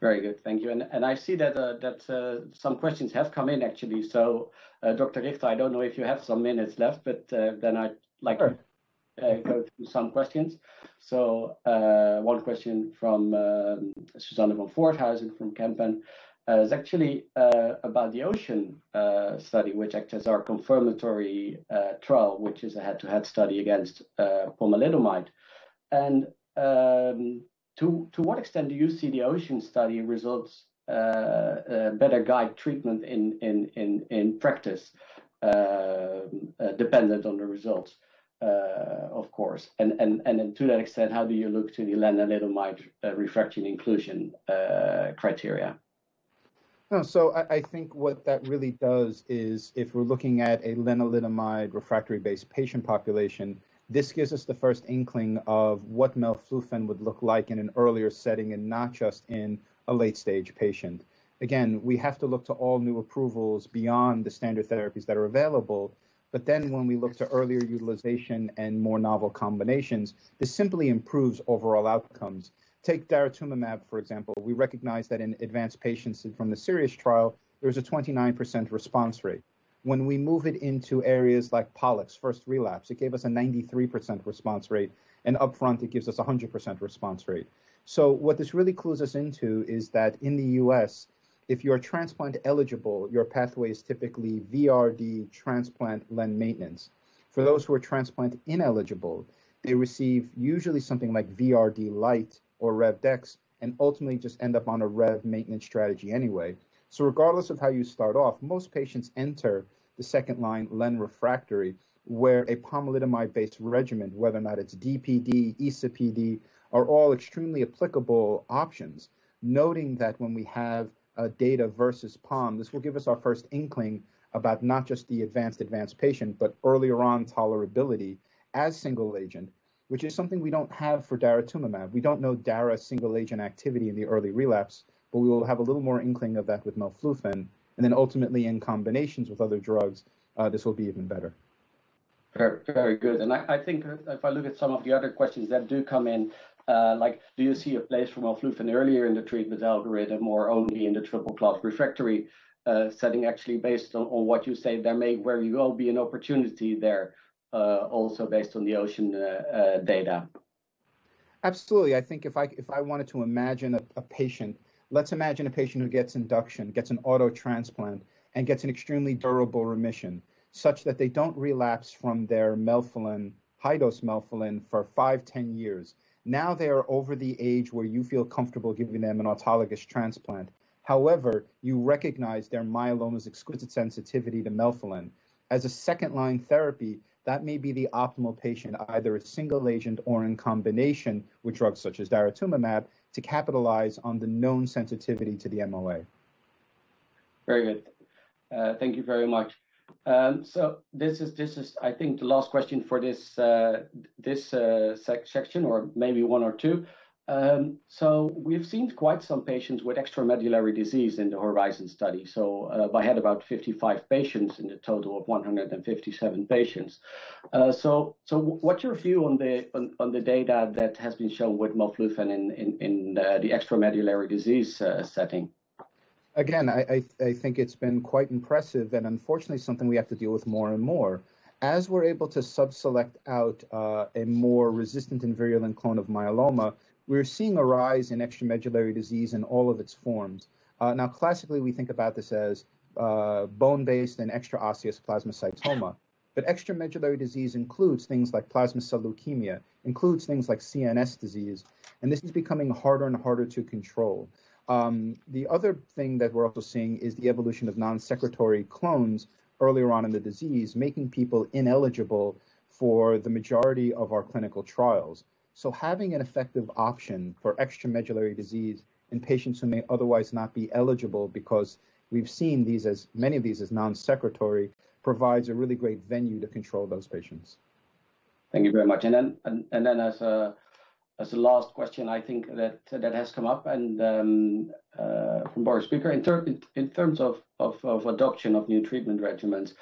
Very good, thank you. I see that some questions have come in, actually. Dr. Richter, I don't know if you have some minutes left, but then I'd like. Sure. To go through some questions. One question from Suzanne van Voorthuizen from Kempen is actually about the OCEAN study, which acts as our confirmatory trial, which is a head-to-head study against pomalidomide. To what extent do you see the OCEAN study results better guide treatment in practice dependent on the results, of course. To that extent, how do you look to the lenalidomide refractory inclusion criteria? I think what that really does is if we're looking at a lenalidomide refractory base patient population, this gives us the first inkling of what melflufen would look like in an earlier setting and not just in a late-stage patient. Again, we have to look to all new approvals beyond the standard therapies that are available. When we look to earlier utilization and more novel combinations, this simply improves overall outcomes. Take daratumumab, for example, we recognize that in advanced patients from the SIRIUS trial, there's a 29% response rate. When we move it into areas like POLLUX first relapse, it gave us a 93% response rate, and upfront, it gives us 100% response rate. What this really clues us into is that in the U.S., if you are transplant eligible, your pathway is typically VRd transplant len maintenance. For those who are transplant ineligible, they receive usually something like VRd lite or RevDex, and ultimately just end up on a Rev maintenance strategy anyway. Regardless of how you start off, most patients enter the second-line len refractory, where a pomalidomide-based regimen, whether or not it's DPd, Isa-Pd, are all extremely applicable options, noting that when we have dara versus pom, this will give us our first inkling about not just the advanced patient, but earlier on tolerability as single agent, which is something we don't have for daratumumab. We don't know dara single-agent activity in the early relapse, but we will have a little more inkling of that with melflufen, and then ultimately in combinations with other drugs, this will be even better. Very good. I think if I look at some of the other questions that do come in, like do you see a place for melflufen earlier in the treatment algorithm, or only in the triple-class refractory setting? Actually based on what you say there may very well be an opportunity there, also based on the OCEAN data. Absolutely. I think if I wanted to imagine a patient, let's imagine a patient who gets induction, gets an auto transplant, and gets an extremely durable remission, such that they don't relapse from their high-dose melphalan for five, 10 years. They are over the age where you feel comfortable giving them an autologous transplant. You recognize their myeloma's exquisite sensitivity to melphalan. As a second-line therapy, that may be the optimal patient, either a single agent or in combination with drugs such as daratumumab to capitalize on the known sensitivity to the MOA. Very good, thank you very much. This is, I think, the last question for this section, or maybe one or two. We've seen quite some patients with extramedullary disease in the HORIZON study. I had about 55 patients in a total of 157 patients, what's your view on the data that has been shown with melflufen in the extramedullary disease setting? I think it's been quite impressive, and unfortunately, something we have to deal with more and more. As we're able to sub-select out a more resistant and virulent clone of myeloma, we're seeing a rise in extramedullary disease in all of its forms. Classically, we think about this as bone-based and extraosseous plasmacytoma. Extramedullary disease includes things like plasma cell leukemia, includes things like CNS disease, and this is becoming harder and harder to control. The other thing that we're also seeing is the evolution of non-secretory clones earlier on in the disease, making people ineligible for the majority of our clinical trials. Having an effective option for extramedullary disease in patients who may otherwise not be eligible because we've seen many of these as non-secretory, provides a really great venue to control those patients. Thank you very much. As a last question, I think that has come up and from Boris Peaker. In terms of adoption of new treatment regimens,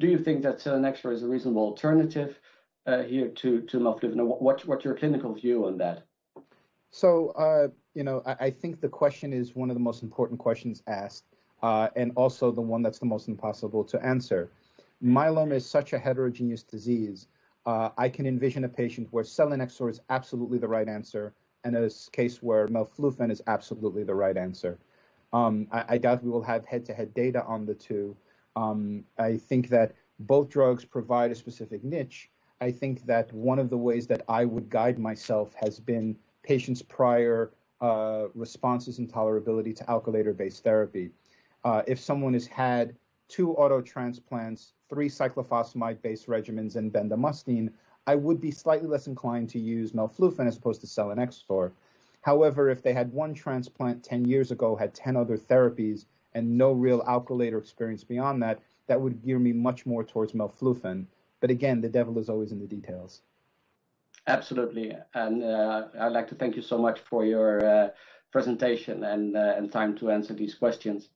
do you think that selinexor is a reasonable alternative here to melflufen? What's your clinical view on that? I think the question is one of the most important questions asked, and also the one that's the most impossible to answer. Myeloma is such a heterogeneous disease. I can envision a patient where selinexor is absolutely the right answer, and a case where melflufen is absolutely the right answer. I doubt we will have head-to-head data on the two, I think that both drugs provide a specific niche. I think that one of the ways that I would guide myself has been patients' prior responses and tolerability to alkylator-based therapy. If someone has had two auto transplants, three cyclophosphamide-based regimens, and bendamustine, I would be slightly less inclined to use melflufen as opposed to selinexor. However, if they had one transplant 10 years ago, had 10 other therapies, and no real alkylator experience beyond that would gear me much more towards melflufen. Again, the devil is always in the details. Absolutely. I'd like to thank you so much for your presentation and time to answer these questions.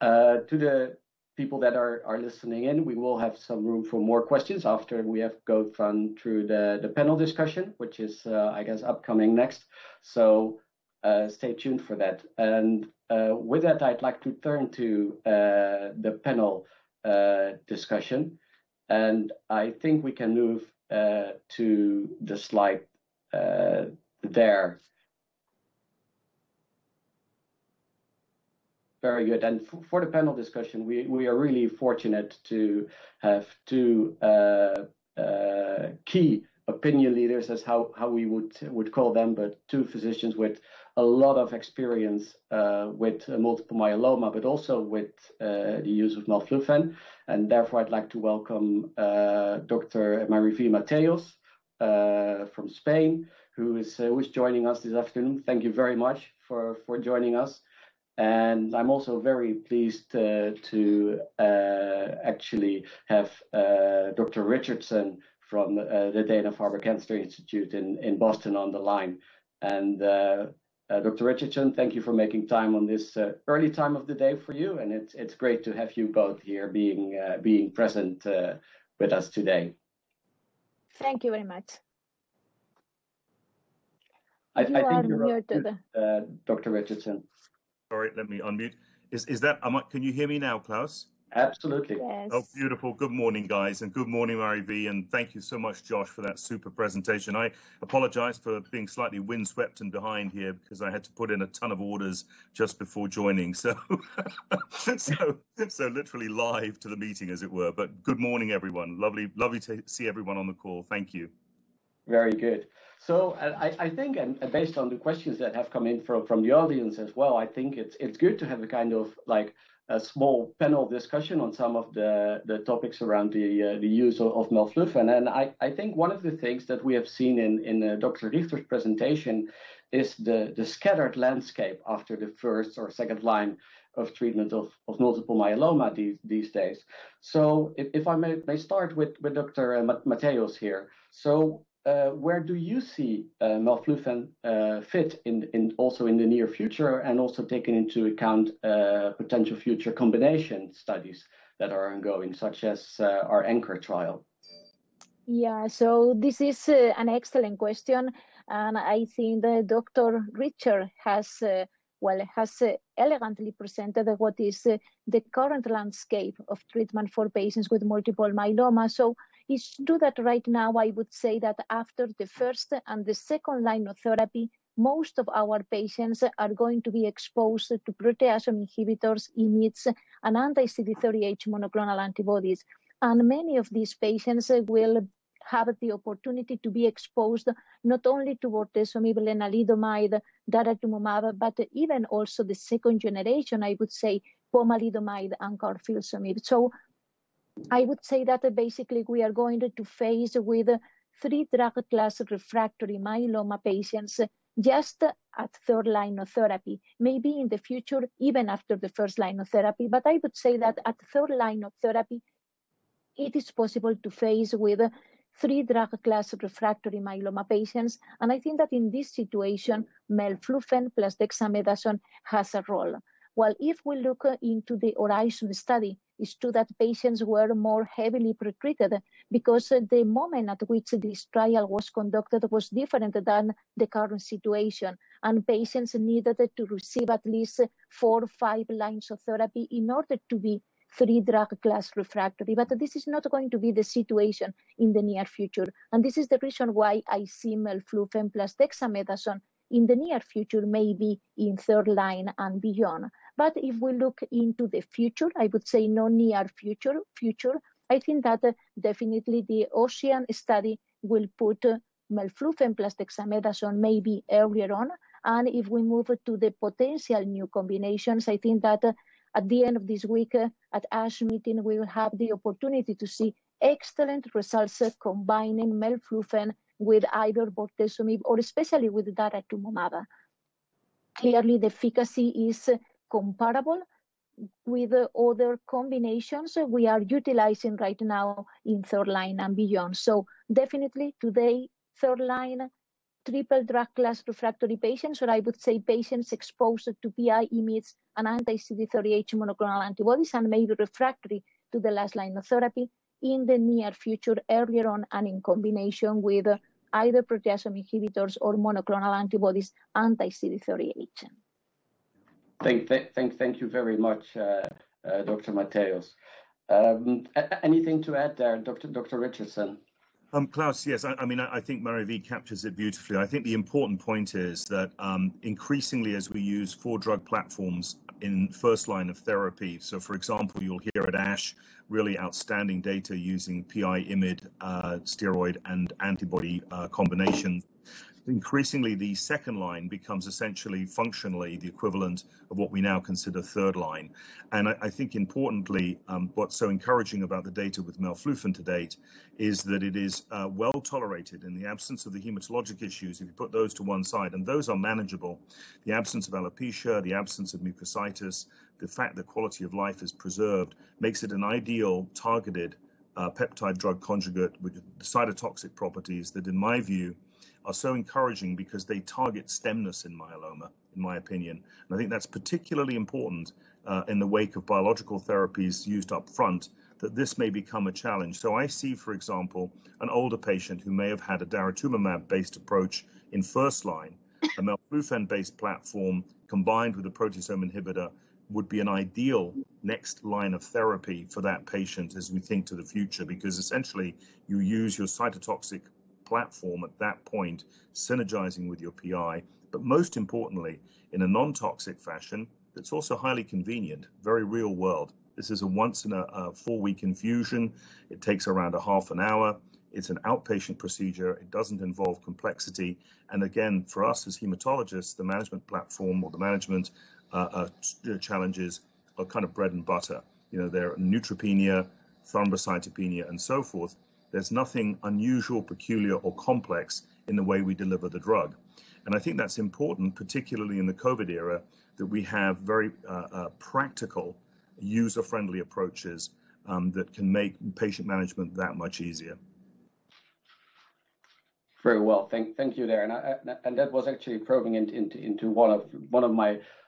To the people that are listening in, we will have some room for more questions after we have gone through the panel discussion, which is, I guess, upcoming next. Stay tuned for that. With that, I'd like to turn to the panel discussion, and I think we can move to the slide there. Very good, for the panel discussion, we are really fortunate to have two key opinion leaders, as how we would call them, but two physicians with a lot of experience with multiple myeloma, but also with the use of melflufen. Therefore, I'd like to welcome Dr. Mariví Mateos from Spain, who is joining us this afternoon. Thank you very much for joining us. I'm also very pleased to actually have Dr. Richardson from the Dana-Farber Cancer Institute in Boston on the line. Dr. Richardson, thank you for making time on this early time of the day for you, and it's great to have you both here being present with us today. Thank you very much. I think. You are muted. Dr. Richardson. Sorry, let me unmute. Can you hear me now, Klaas? Absolutely. Yes. Oh, beautiful. Good morning, guys, good morning, Mariví, thank you so much, Joshua, for that super presentation. I apologize for being slightly windswept and behind here because I had to put in a ton of orders just before joining, so literally live to the meeting as it were. Good morning, everyone. Lovely to see everyone on the call. Thank you. Very good. I think, and based on the questions that have come in from the audience as well, I think it's good to have a kind of small panel discussion on some of the topics around the use of melflufen. I think one of the things that we have seen in Dr. Richter's presentation is the scattered landscape after the first or second line of treatment of multiple myeloma these days. If I may start with Dr. Mateos here. Where do you see melflufen fit also in the near future, and also taking into account potential future combination studies that are ongoing, such as our ANCHOR trial? Yeah. This is an excellent question, and I think that Dr. Richter has elegantly presented what is the current landscape of treatment for patients with multiple myeloma. It's true that right now, I would say that after the first and the second line of therapy, most of our patients are going to be exposed to proteasome inhibitors, IMiDs, and anti-CD38 monoclonal antibodies. Many of these patients will have the opportunity to be exposed not only to bortezomib and lenalidomide, daratumumab, but even also the second generation, I would say, pomalidomide and carfilzomib. I would say that basically, we are going to face with three drug class refractory myeloma patients just at third line of therapy, maybe in the future, even after the first line of therapy. I would say that at third line of therapy, it is possible to face with three drug class refractory myeloma patients. I think that in this situation, melflufen plus dexamethasone has a role. While if we look into the HORIZON study, it is true that patients were more heavily pretreated because the moment at which this trial was conducted was different than the current situation, and patients needed to receive at least four or five lines of therapy in order to be three drug class refractory. This is not going to be the situation in the near future, and this is the reason why I see melflufen plus dexamethasone in the near future, maybe in third line and beyond. If we look into the future, I would say no near future. I think that definitely the OCEAN study will put melflufen plus dexamethasone maybe earlier on. If we move to the potential new combinations, I think that at the end of this week at ASH meeting, we will have the opportunity to see excellent results combining melflufen with either bortezomib or especially with daratumumab. Clearly, the efficacy is comparable with other combinations we are utilizing right now in third line and beyond. Definitely today, third line, triple drug class refractory patients, or I would say patients exposed to PI, IMiD, and anti-CD38 monoclonal antibodies, and maybe refractory to the last line of therapy in the near future, earlier on, and in combination with either proteasome inhibitors or monoclonal antibodies, anti-CD38. Thank you very much, Dr. Mateos. Anything to add there, Dr. Richardson? Klaas, yes. I think Mariví captures it beautifully. I think the important point is that increasingly as we use four-drug platforms in first line of therapy, so for example, you'll hear at ASH really outstanding data using PI, IMiD, steroid, and antibody combinations. Increasingly, the second line becomes essentially functionally the equivalent of what we now consider third line. I think importantly, what's so encouraging about the data with melflufen to date is that it is well-tolerated in the absence of the hematologic issues, if you put those to one side, and those are manageable. The absence of alopecia, the absence of mucositis, the fact that quality of life is preserved, makes it an ideal targeted, peptide-drug conjugate with cytotoxic properties that in my view, are so encouraging because they target stemness in myeloma, in my opinion. I think that's particularly important, in the wake of biological therapies used upfront, that this may become a challenge. I see, for example, an older patient who may have had a daratumumab-based approach in first line. A melflufen-based platform combined with a proteasome inhibitor would be an ideal next line of therapy for that patient as we think to the future. Essentially, you use your cytotoxic platform at that point, synergizing with your PI, but most importantly, in a non-toxic fashion that's also highly convenient, very real world. This is a once in a four-week infusion. It takes around a half an hour. It's an outpatient procedure. It doesn't involve complexity. Again, for us as hematologists, the management platform or the management challenges are kind of bread and butter. They're neutropenia, thrombocytopenia, and so forth. There's nothing unusual, peculiar, or complex in the way we deliver the drug. I think that's important, particularly in the COVID era, that we have very practical, user-friendly approaches that can make patient management that much easier. Very well. Thank you there. That was actually probing into one of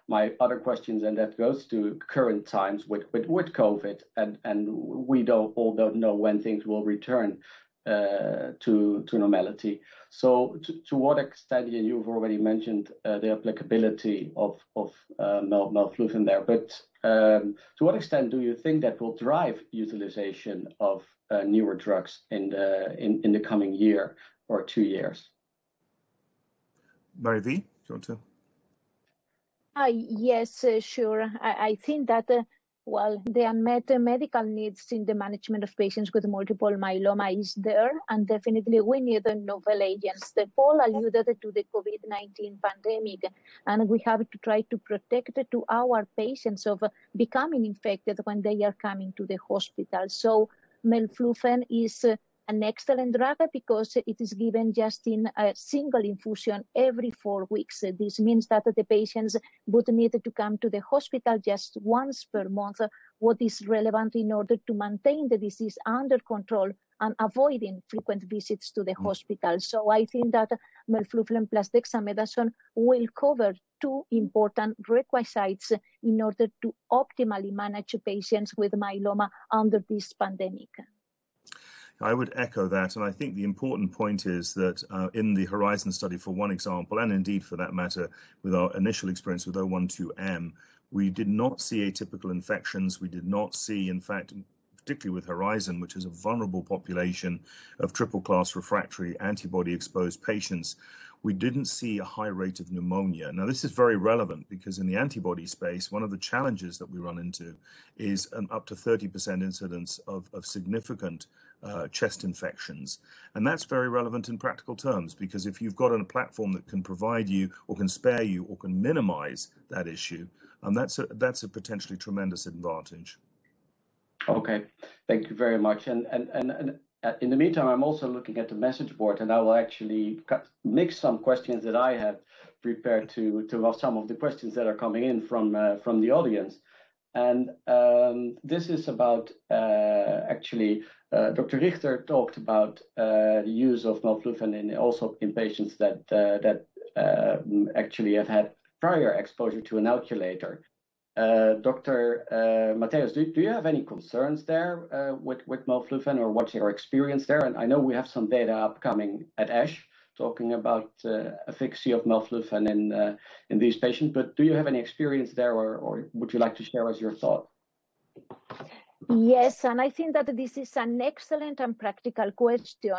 my other questions, and that goes to current times with COVID, and we all don't know when things will return to normality. To what extent, and you've already mentioned the applicability of melflufen there, but to what extent do you think that will drive utilization of newer drugs in the coming year or two years? Mariví, do you want to? Yes, sure. I think that the unmet medical needs in the management of patients with multiple myeloma is there. Definitely we need the novel agents that all alluded to the COVID-19 pandemic. We have to try to protect our patients of becoming infected when they are coming to the hospital. Melflufen is an excellent drug because it is given just in a single infusion every four weeks. This means that the patients would need to come to the hospital just once per month, what is relevant in order to maintain the disease under control and avoiding frequent visits to the hospital. I think that melflufen plus dexamethasone will cover two important requisites in order to optimally manage patients with myeloma under this pandemic. I would echo that, I think the important point is that in the HORIZON study, for one example, and indeed for that matter with our initial experience with O-12-M1, we did not see atypical infections. We did not see, in fact, particularly with HORIZON, which is a vulnerable population of triple-class refractory antibody-exposed patients, we didn't see a high rate of pneumonia. This is very relevant because in the antibody space, one of the challenges that we run into is an up to 30% incidence of significant chest infections. That's very relevant in practical terms, because if you've got a platform that can provide you or can spare you or can minimize that issue, that's a potentially tremendous advantage. Okay. Thank you very much. In the meantime, I'm also looking at the message board, I will actually mix some questions that I had prepared to some of the questions that are coming in from the audience. This is about, actually, Dr. Richter talked about the use of melflufen and also in patients that actually have had prior exposure to an alkylator. Dr. Mateos, do you have any concerns there with melflufen or what's your experience there? I know we have some data upcoming at ASH talking about efficacy of melflufen in these patients, do you have any experience there or would you like to share with us your thought? Yes, I think that this is an excellent and practical question.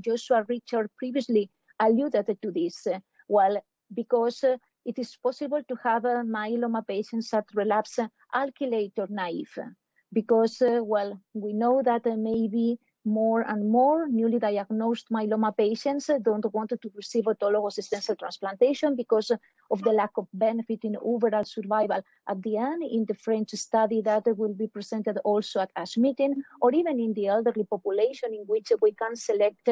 Joshua Richter previously alluded to this. Well, because it is possible to have myeloma patients at relapse alkylator-naive. Well, we know that maybe more and more newly diagnosed myeloma patients don't want to receive autologous stem cell transplantation because of the lack of benefit in overall survival at the end in the French study that will be presented also at ASH meeting, or even in the elderly population in which we can select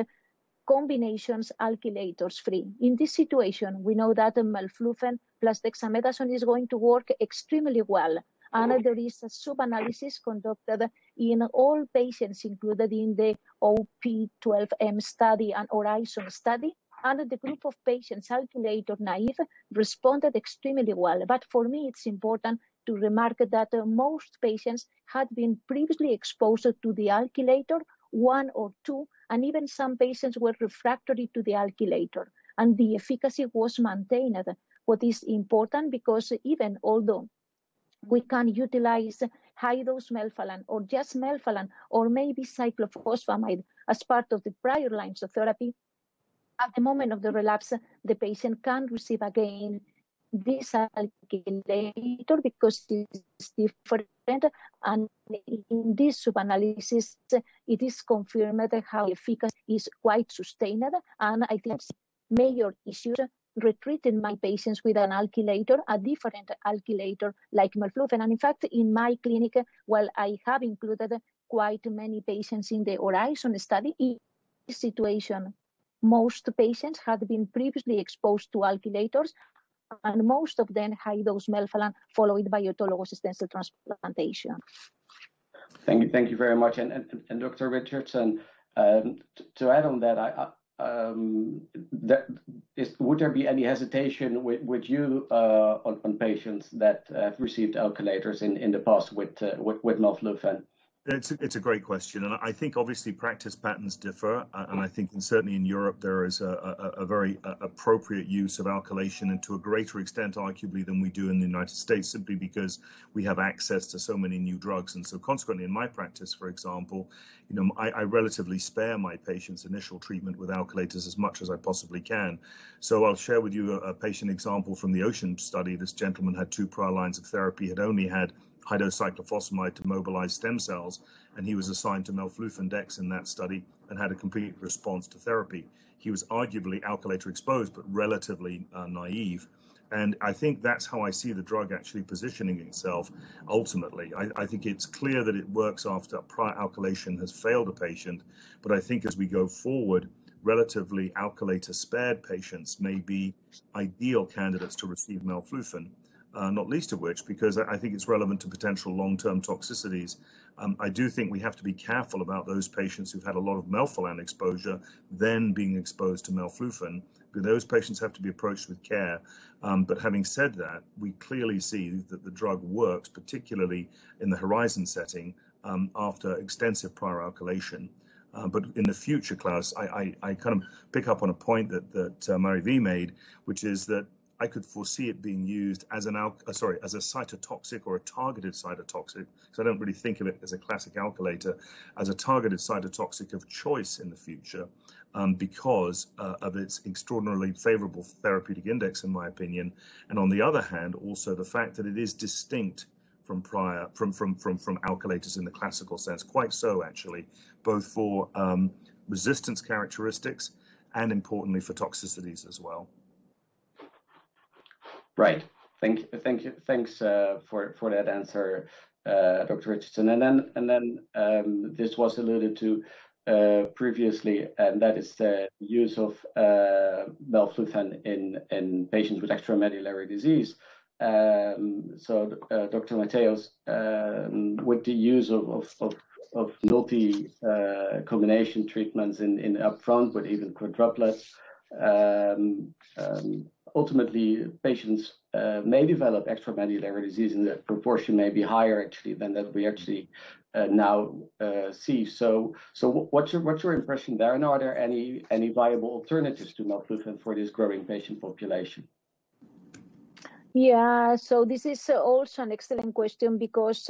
combinations alkylators free. In this situation, we know that melflufen plus dexamethasone is going to work extremely well. There is a sub-analysis conducted in all patients included in the O-12-M1 study and HORIZON study, and the group of patients alkylator-naive responded extremely well. For me, it's important to remark that most patients had been previously exposed to the alkylator one or two, and even some patients were refractory to the alkylator, and the efficacy was maintained. What is important, because even although we can utilize high-dose melphalan or just melphalan or maybe cyclophosphamide as part of the prior lines of therapy, at the moment of the relapse, the patient can receive again this alkylator because it is different. In this sub-analysis, it is confirmed how efficacy is quite sustainable. I think major issue, retreating my patients with an alkylator, a different alkylator like melflufen. In fact, in my clinic, while I have included quite many patients in the HORIZON study, in this situation, most patients had been previously exposed to alkylators, and most of them high-dose melphalan followed by autologous stem cell transplantation. Thank you very much. Dr. Richardson, to add on that, would there be any hesitation with you on patients that have received alkylators in the past with melflufen? It's a great question, and I think obviously practice patterns differ. I think certainly in Europe, there is a very appropriate use of alkylation and to a greater extent, arguably, than we do in the United States, simply because we have access to so many new drugs. Consequently, in my practice, for example, I relatively spare my patients' initial treatment with alkylators as much as I possibly can. I'll share with you a patient example from the OCEAN study. This gentleman had two prior lines of therapy, had only had high-dose cyclophosphamide to mobilize stem cells, and he was assigned to melflufen dex in that study and had a complete response to therapy. He was arguably alkylator-exposed but relatively naive. I think that's how I see the drug actually positioning itself ultimately. I think it's clear that it works after prior alkylation has failed a patient. I think as we go forward, relatively alkylator-spared patients may be ideal candidates to receive melflufen, not least of which because I think it's relevant to potential long-term toxicities. I do think we have to be careful about those patients who've had a lot of melphalan exposure, then being exposed to melflufen. Those patients have to be approached with care. Having said that, we clearly see that the drug works, particularly in the HORIZON setting, after extensive prior alkylation. In the future, Klaas, I pick up on a point that Mariví made, which is that I could foresee it being used as a cytotoxic or a targeted cytotoxic, because I don't really think of it as a classic alkylator, as a targeted cytotoxic of choice in the future because of its extraordinarily favorable therapeutic index, in my opinion. On the other hand, also the fact that it is distinct from alkylators in the classical sense, quite so actually, both for resistance characteristics and importantly for toxicities as well. Right. Thank you. Thanks for that answer, Dr. Richardson. This was alluded to previously, and that is the use of melflufen in patients with extramedullary disease. Dr. Mateos, with the use of multi-combination treatments in upfront, but even quadruplets, ultimately, patients may develop extramedullary disease, and the proportion may be higher, actually, than that we actually now see. What's your impression there, and are there any viable alternatives to melflufen for this growing patient population? This is also an excellent question because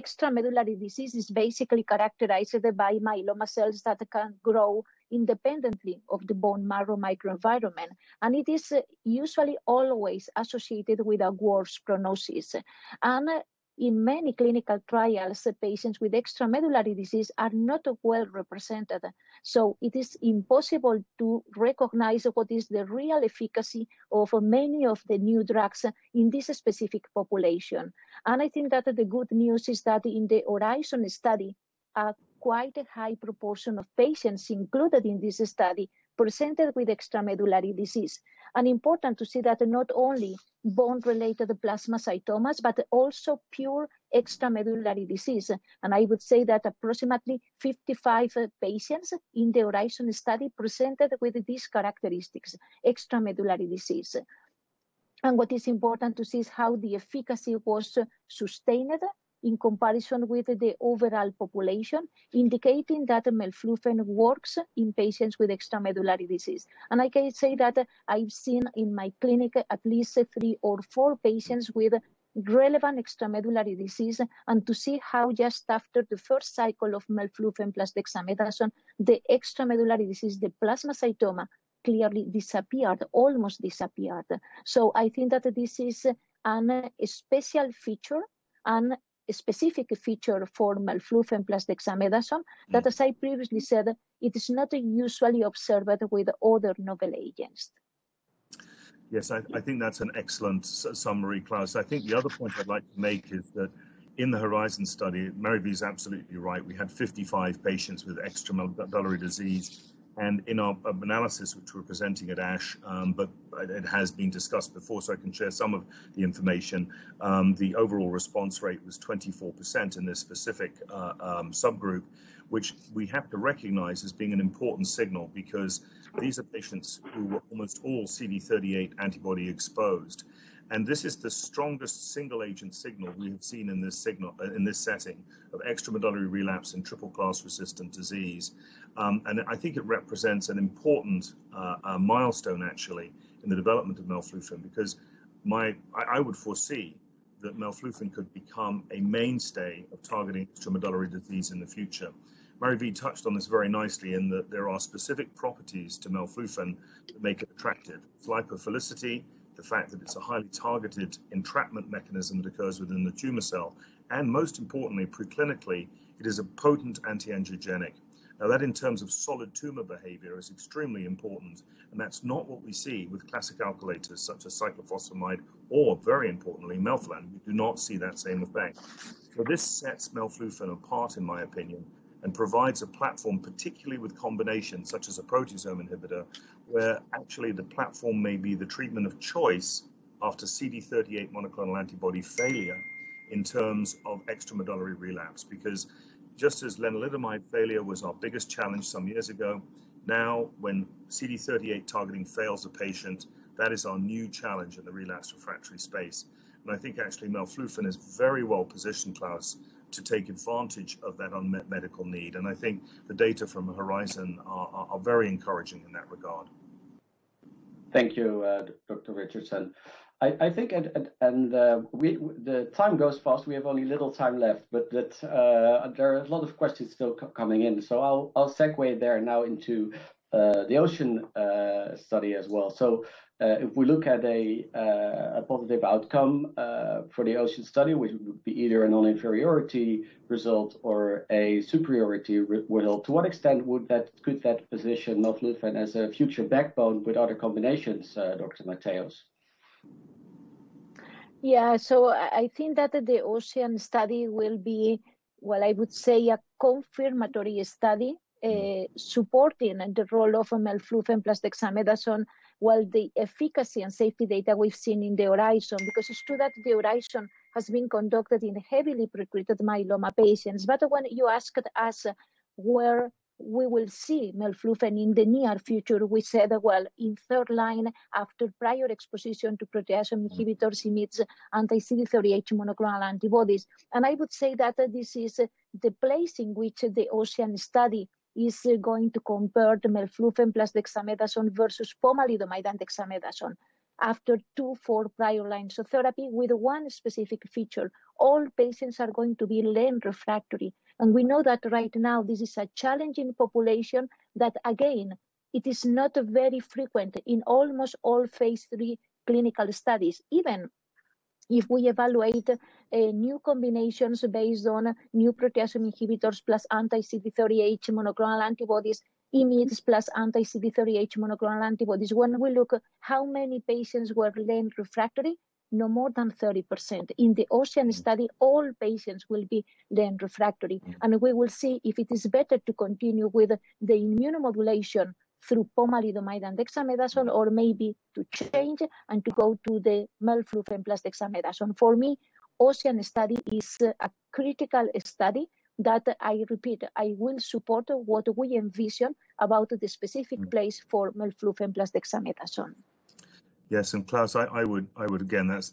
extramedullary disease is basically characterized by myeloma cells that can grow independently of the bone marrow microenvironment, and it is usually always associated with a worse prognosis. In many clinical trials, patients with extramedullary disease are not well represented. It is impossible to recognize what is the real efficacy of many of the new drugs in this specific population. I think that the good news is that in the HORIZON study, quite a high proportion of patients included in this study presented with extramedullary disease. Important to see that not only bone-related plasmacytomas, but also pure extramedullary disease. I would say that approximately 55 patients in the HORIZON study presented with these characteristics, extramedullary disease. What is important to see is how the efficacy was sustained in comparison with the overall population, indicating that melflufen works in patients with extramedullary disease. I can say that I've seen in my clinic at least three or four patients with relevant extramedullary disease, and to see how just after the first cycle of melflufen plus dexamethasone, the extramedullary disease, the plasmacytoma, clearly disappeared, almost disappeared. I think that this is a special feature and a specific feature for melflufen plus dexamethasone, that as I previously said, it is not usually observed with other novel agents. Yes, I think that's an excellent summary, Klaas. I think the other point I'd like to make is that in the HORIZON study, Mariví is absolutely right. We had 55 patients with extramedullary disease. In our analysis, which we're presenting at ASH, but it has been discussed before, so I can share some of the information. The overall response rate was 24% in this specific subgroup, which we have to recognize as being an important signal because these are patients who were almost all CD38 antibody exposed. This is the strongest single agent signal we have seen in this setting of extramedullary relapse and triple class resistant disease. I think it represents an important milestone, actually, in the development of melflufen, because I would foresee that melflufen could become a mainstay of targeting extramedullary disease in the future. Mariví touched on this very nicely in that there are specific properties to melflufen that make it attractive. Its lipophilicity, the fact that it's a highly targeted entrapment mechanism that occurs within the tumor cell, and most importantly, preclinically, it is a potent anti-angiogenic. Now that in terms of solid tumor behavior is extremely important, and that's not what we see with classic alkylators such as cyclophosphamide or very importantly, melphalan. We do not see that same effect. This sets melflufen apart, in my opinion, and provides a platform, particularly with combinations such as a proteasome inhibitor, where actually the platform may be the treatment of choice after CD38 monoclonal antibody failure in terms of extramedullary relapse. Because just as lenalidomide failure was our biggest challenge some years ago, now when CD38 targeting fails a patient, that is our new challenge in the relapse refractory space. I think actually melflufen is very well-positioned, Klaas, to take advantage of that unmet medical need, and I think the data from the HORIZON are very encouraging in that regard. Thank you, Dr. Richardson. I think the time goes fast. We have only a little time left, but there are a lot of questions still coming in. I'll segue there now into the OCEAN study as well. If we look at a positive outcome for the OCEAN study, which would be either a non-inferiority result or a superiority result, to what extent could that position melflufen as a future backbone with other combinations, Dr. Mateos? I think that the OCEAN study will be, well, I would say a confirmatory study supporting the role of melflufen plus dexamethasone, while the efficacy and safety data we've seen in the HORIZON, because it's true that the HORIZON has been conducted in heavily recruited myeloma patients. When you asked us where we will see melflufen in the near future, we said, well, in third line after prior exposure to proteasome inhibitors, IMiDs, anti-CD38 monoclonal antibodies. I would say that this is the place in which the OCEAN study is going to compare the melflufen plus dexamethasone versus pomalidomide and dexamethasone after two-four prior lines of therapy with one specific feature. All patients are going to be len-refractory. We know that right now this is a challenging population that again, it is not very frequent in almost all phase III clinical studies, even if we evaluate new combinations based on new proteasome inhibitors plus anti-CD38 monoclonal antibodies, IMiDs plus anti-CD38 monoclonal antibodies. When we look how many patients were len-refractory, no more than 30%. In the OCEAN study, all patients will be len-refractory. We will see if it is better to continue with the immunomodulation through pomalidomide and dexamethasone or maybe to change and to go to the melflufen plus dexamethasone. For me, OCEAN study is a critical study that I repeat, I will support what we envision about the specific place for melflufen plus dexamethasone. Yes. Klaas, I would again, that's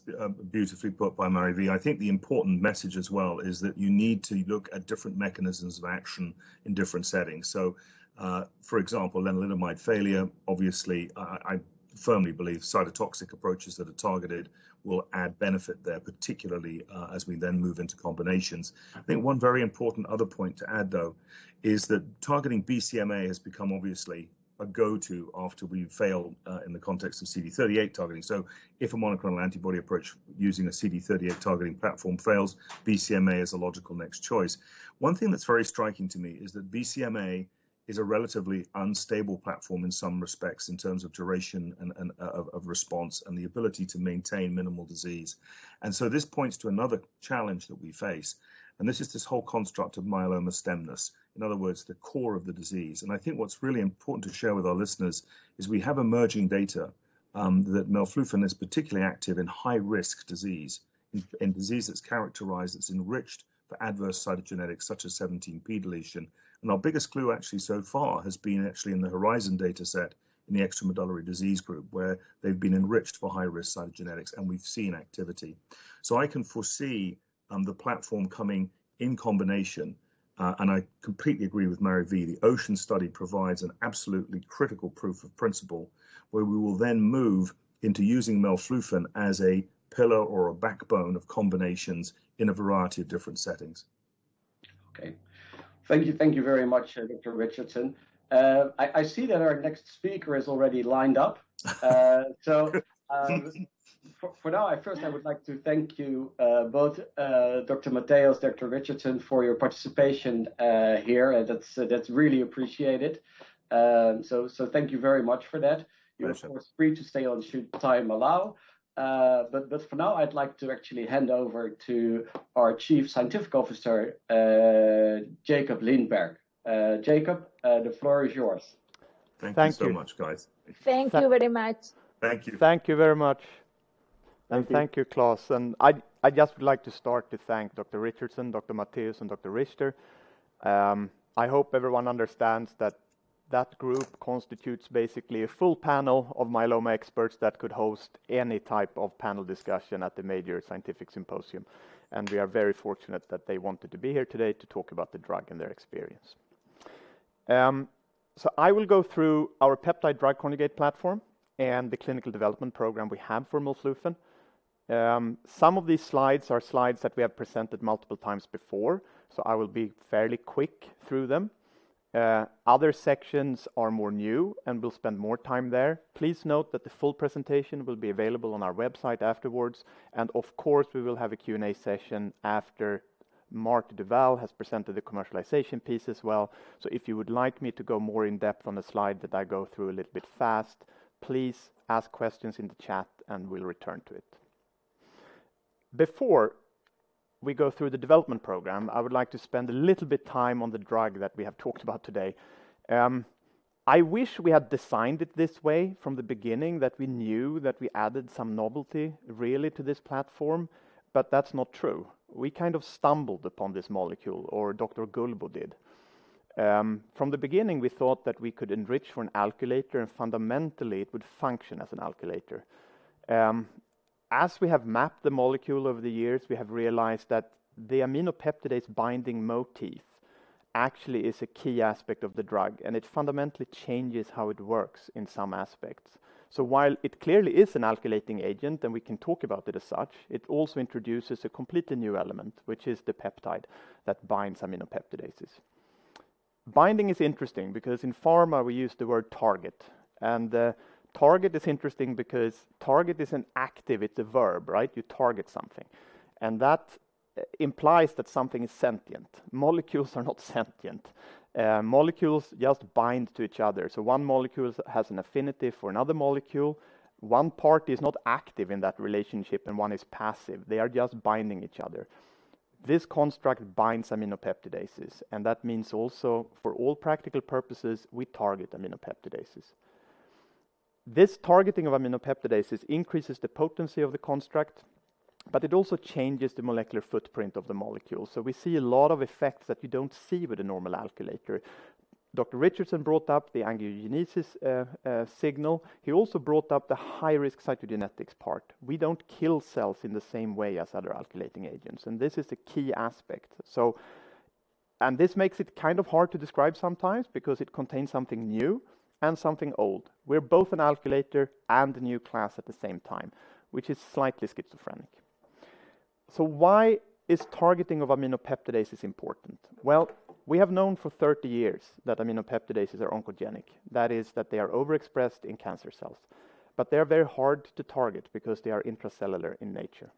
beautifully put by Mariví. I think the important message as well is that you need to look at different mechanisms of action in different settings. For example, lenalidomide failure, obviously, I firmly believe cytotoxic approaches that are targeted will add benefit there, particularly as we then move into combinations. I think one very important other point to add, though, is that targeting BCMA has become obviously a go-to after we've failed in the context of CD38 targeting. If a monoclonal antibody approach using a CD38 targeting platform fails, BCMA is a logical next choice. One thing that's very striking to me is that BCMA is a relatively unstable platform in some respects in terms of duration and of response and the ability to maintain minimal disease. This points to another challenge that we face, and this is this whole construct of myeloma stemness, in other words, the core of the disease. I think what's really important to share with our listeners is we have emerging data that melflufen is particularly active in high-risk disease, in disease that's characterized, that's enriched for adverse cytogenetics such as 17p deletion. Our biggest clue actually so far has been actually in the HORIZON data set in the extramedullary disease group where they've been enriched for high-risk cytogenetics, and we've seen activity. I can foresee the platform coming in combination, and I completely agree with Mariví, the OCEAN study provides an absolutely critical proof of principle where we will then move into using melflufen as a pillar or a backbone of combinations in a variety of different settings. Okay. Thank you very much, Dr. Richardson. I see that our next speaker is already lined up. For now, first I would like to thank you both, Dr. Mateos, Dr. Richardson, for your participation here. That's really appreciated. Thank you very much for that. Pleasure. You're of course free to stay on should time allow. For now, I'd like to actually hand over to our Chief Scientific Officer, Jakob Lindberg. Jakob, the floor is yours. Thank you so much, guys. Thank you very much. Thank you. Thank you very much. Thank you. Thank you, Klaas. I just would like to start to thank Dr. Richardson, Dr. Mateos, and Dr. Richter. I hope everyone understands that that group constitutes basically a full panel of myeloma experts that could host any type of panel discussion at the major scientific symposium, and we are very fortunate that they wanted to be here today to talk about the drug and their experience. I will go through our peptide-drug conjugate platform and the clinical development program we have for melflufen. Some of these slides are slides that we have presented multiple times before. I will be fairly quick through them. Other sections are more new. We'll spend more time there. Please note that the full presentation will be available on our website afterwards. Of course, we will have a Q&A session after Marty Duvall has presented the commercialization piece as well. If you would like me to go more in depth on a slide that I go through a little bit fast, please ask questions in the chat, and we'll return to it. Before we go through the development program, I would like to spend a little bit time on the drug that we have talked about today. I wish we had designed it this way from the beginning, that we knew that we added some novelty really to this platform, but that's not true. We kind of stumbled upon this molecule, or Dr Gullbo did. From the beginning, we thought that we could enrich for an alkylator and fundamentally it would function as an alkylator. As we have mapped the molecule over the years, we have realized that the aminopeptidase binding motif actually is a key aspect of the drug, and it fundamentally changes how it works in some aspects. While it clearly is an alkylating agent, and we can talk about it as such, it also introduces a completely new element, which is the peptide that binds aminopeptidases. Binding is interesting because in pharma we use the word target, and target is interesting because target is an active, it's a verb, right? You target something, and that implies that something is sentient. Molecules are not sentient. Molecules just bind to each other. One molecule has an affinity for another molecule. One part is not active in that relationship, and one is passive. They are just binding each other. This construct binds aminopeptidases, that means also, for all practical purposes, we target aminopeptidases. This targeting of aminopeptidases increases the potency of the construct, it also changes the molecular footprint of the molecule. We see a lot of effects that you don't see with a normal alkylator. Dr. Richardson brought up the angiogenesis signal. He also brought up the high-risk cytogenetics part. We don't kill cells in the same way as other alkylating agents, this is a key aspect. This makes it kind of hard to describe sometimes because it contains something new and something old. We're both an alkylator and a new class at the same time, which is slightly schizophrenic. Why is targeting of aminopeptidases important? Well, we have known for 30 years that aminopeptidases are oncogenic. That is, that they are overexpressed in cancer cells. They are very hard to target because they are intracellular in nature.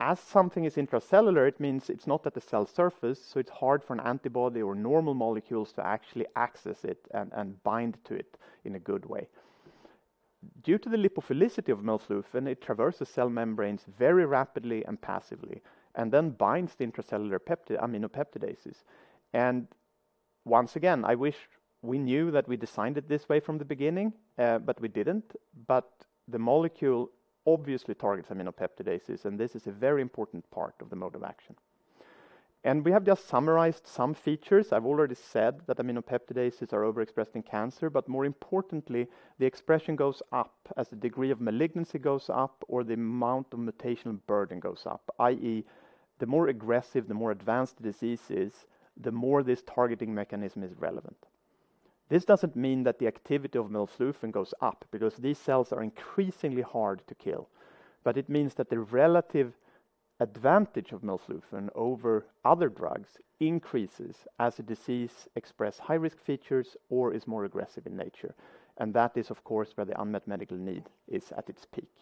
As something is intracellular, it means it's not at the cell surface, so it's hard for an antibody or normal molecules to actually access it and bind to it in a good way. Due to the lipophilicity of melflufen, it traverses cell membranes very rapidly and passively and then binds the intracellular aminopeptidases. Once again, I wish we knew that we designed it this way from the beginning, but we didn't. The molecule obviously targets aminopeptidases, and this is a very important part of the mode of action. We have just summarized some features. I've already said that aminopeptidases are overexpressed in cancer, but more importantly, the expression goes up as the degree of malignancy goes up or the amount of mutational burden goes up, i.e., the more aggressive, the more advanced the disease is, the more this targeting mechanism is relevant. This doesn't mean that the activity of melflufen goes up because these cells are increasingly hard to kill. It means that the relative advantage of melflufen over other drugs increases as the disease express high risk features or is more aggressive in nature. That is, of course, where the unmet medical need is at its peak.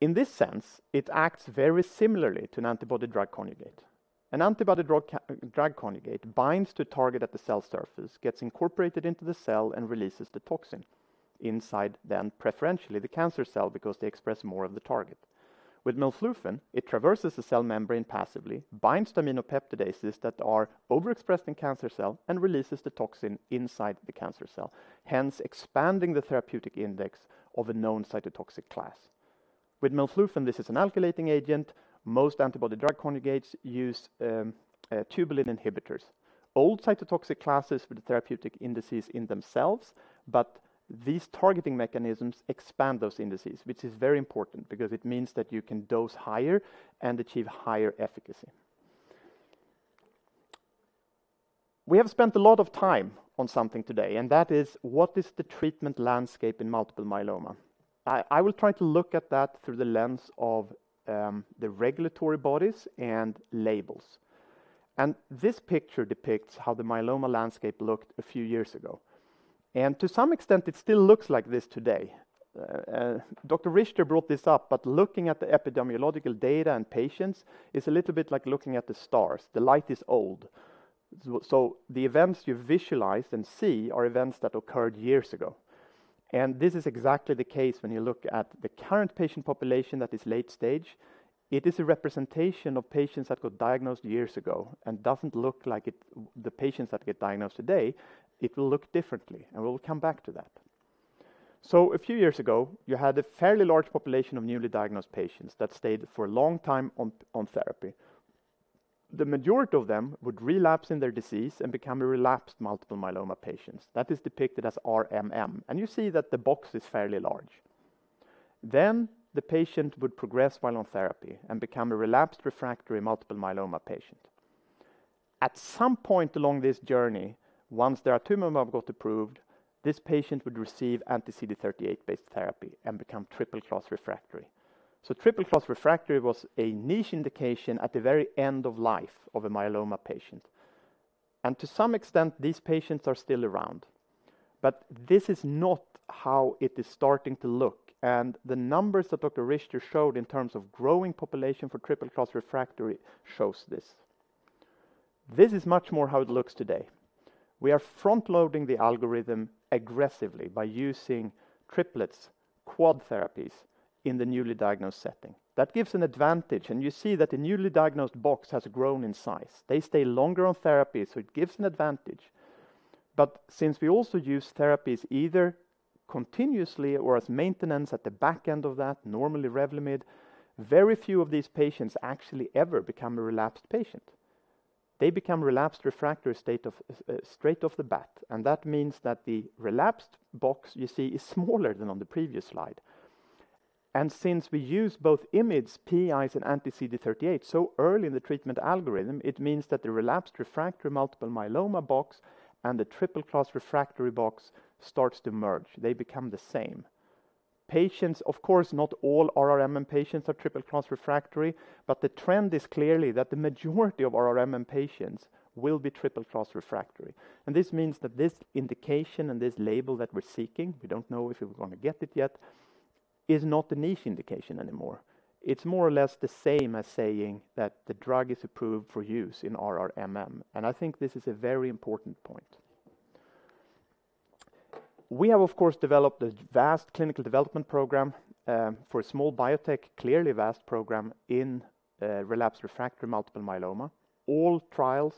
In this sense, it acts very similarly to an antibody-drug conjugate. An antibody-drug conjugate binds to target at the cell surface, gets incorporated into the cell, and releases the toxin inside then preferentially the cancer cell because they express more of the target. With melflufen, it traverses the cell membrane passively, binds to aminopeptidases that are overexpressed in cancer cell, and releases the toxin inside the cancer cell, hence expanding the therapeutic index of a known cytotoxic class. With melflufen, this is an alkylating agent. Most antibody-drug conjugates use tubulin inhibitors. Old cytotoxic classes with therapeutic indices in themselves, but these targeting mechanisms expand those indices, which is very important because it means that you can dose higher and achieve higher efficacy. We have spent a lot of time on something today, and that is, what is the treatment landscape in multiple myeloma? I will try to look at that through the lens of the regulatory bodies and labels. This picture depicts how the myeloma landscape looked a few years ago. To some extent, it still looks like this today. Dr. Richter brought this up, looking at the epidemiological data in patients is a little bit like looking at the stars. The light is old. The events you visualize and see are events that occurred years ago. This is exactly the case when you look at the current patient population that is late stage. It is a representation of patients that got diagnosed years ago and does not look like the patients that get diagnosed today. It will look differently, and we will come back to that. A few years ago, you had a fairly large population of newly diagnosed patients that stayed for a long time on therapy. The majority of them would relapse in their disease and become a relapsed multiple myeloma patients. That is depicted as RMM, and you see that the box is fairly large. The patient would progress while on therapy and become a relapsed refractory multiple myeloma patient. At some point along this journey, once daratumumab got approved, this patient would receive anti-CD38-based therapy and become triple-class refractory. Triple-class refractory was a niche indication at the very end of life of a myeloma patient. To some extent, these patients are still around. This is not how it is starting to look, and the numbers that Dr. Richter showed in terms of growing population for triple-class refractory shows this. This is much more how it looks today. We are front-loading the algorithm aggressively by using triplets, quad therapies in the newly diagnosed setting. That gives an advantage, and you see that the newly diagnosed box has grown in size. They stay longer on therapy, so it gives an advantage. Since we also use therapies either continuously or as maintenance at the back end of that, normally Revlimid, very few of these patients actually ever become a relapsed patient. They become relapsed refractory straight off the bat, that means that the relapsed box you see is smaller than on the previous slide. Since we use both IMiDs, PIs and anti-CD38 so early in the treatment algorithm, it means that the relapsed refractory multiple myeloma box and the triple-class refractory box starts to merge. They become the same. Patients, of course, not all RRMM patients are triple-class refractory, the trend is clearly that the majority of RRMM patients will be triple-class refractory. This means that this indication and this label that we're seeking, we don't know if we're going to get it yet, is not a niche indication anymore. It's more or less the same as saying that the drug is approved for use in RRMM. I think this is a very important point. We have, of course, developed a vast clinical development program for a small biotech, clearly vast program in relapsed refractory multiple myeloma. All trials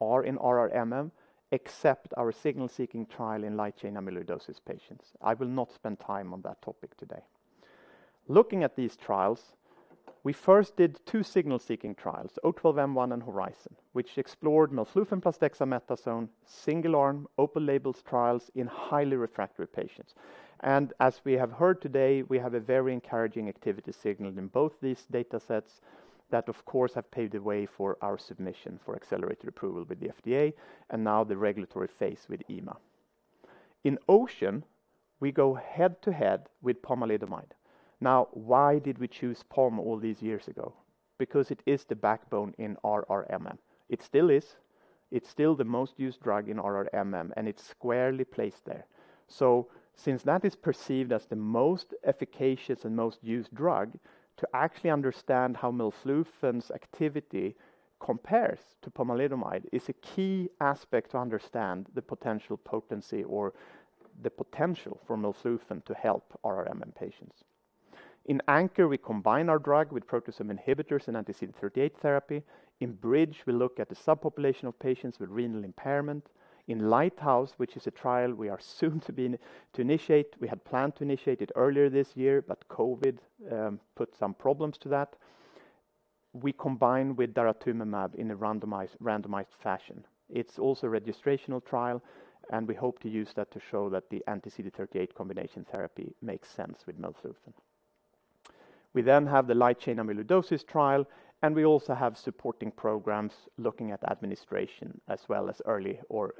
are in RRMM except our signal-seeking trial in light chain amyloidosis patients. I will not spend time on that topic today. Looking at these trials, we first did two signal-seeking trials, O-12-M1 and HORIZON, which explored melflufen plus dexamethasone, single-arm, open-labels trials in highly refractory patients. As we have heard today, we have a very encouraging activity signal in both these data sets that, of course, have paved the way for our submission for accelerated approval with the FDA and now the regulatory phase with EMA. In OCEAN, we go head-to-head with pomalidomide. Why did we choose pomalidomide all these years ago? It is the backbone in RRMM. It still is. It's still the most used drug in RRMM, and it's squarely placed there. Since that is perceived as the most efficacious and most used drug to actually understand how melflufen's activity compares to pomalidomide is a key aspect to understand the potential potency or the potential for melflufen to help RRMM patients. In ANCHOR, we combine our drug with proteasome inhibitors and anti-CD38 therapy. In BRIDGE, we look at the subpopulation of patients with renal impairment. In LIGHTHOUSE, which is a trial we are soon to initiate, we had planned to initiate it earlier this year, but COVID put some problems to that. We combine with daratumumab in a randomized fashion. It's also a registrational trial, and we hope to use that to show that the anti-CD38 combination therapy makes sense with melflufen. We have the light chain amyloidosis trial, and we also have supporting programs looking at administration as well as early or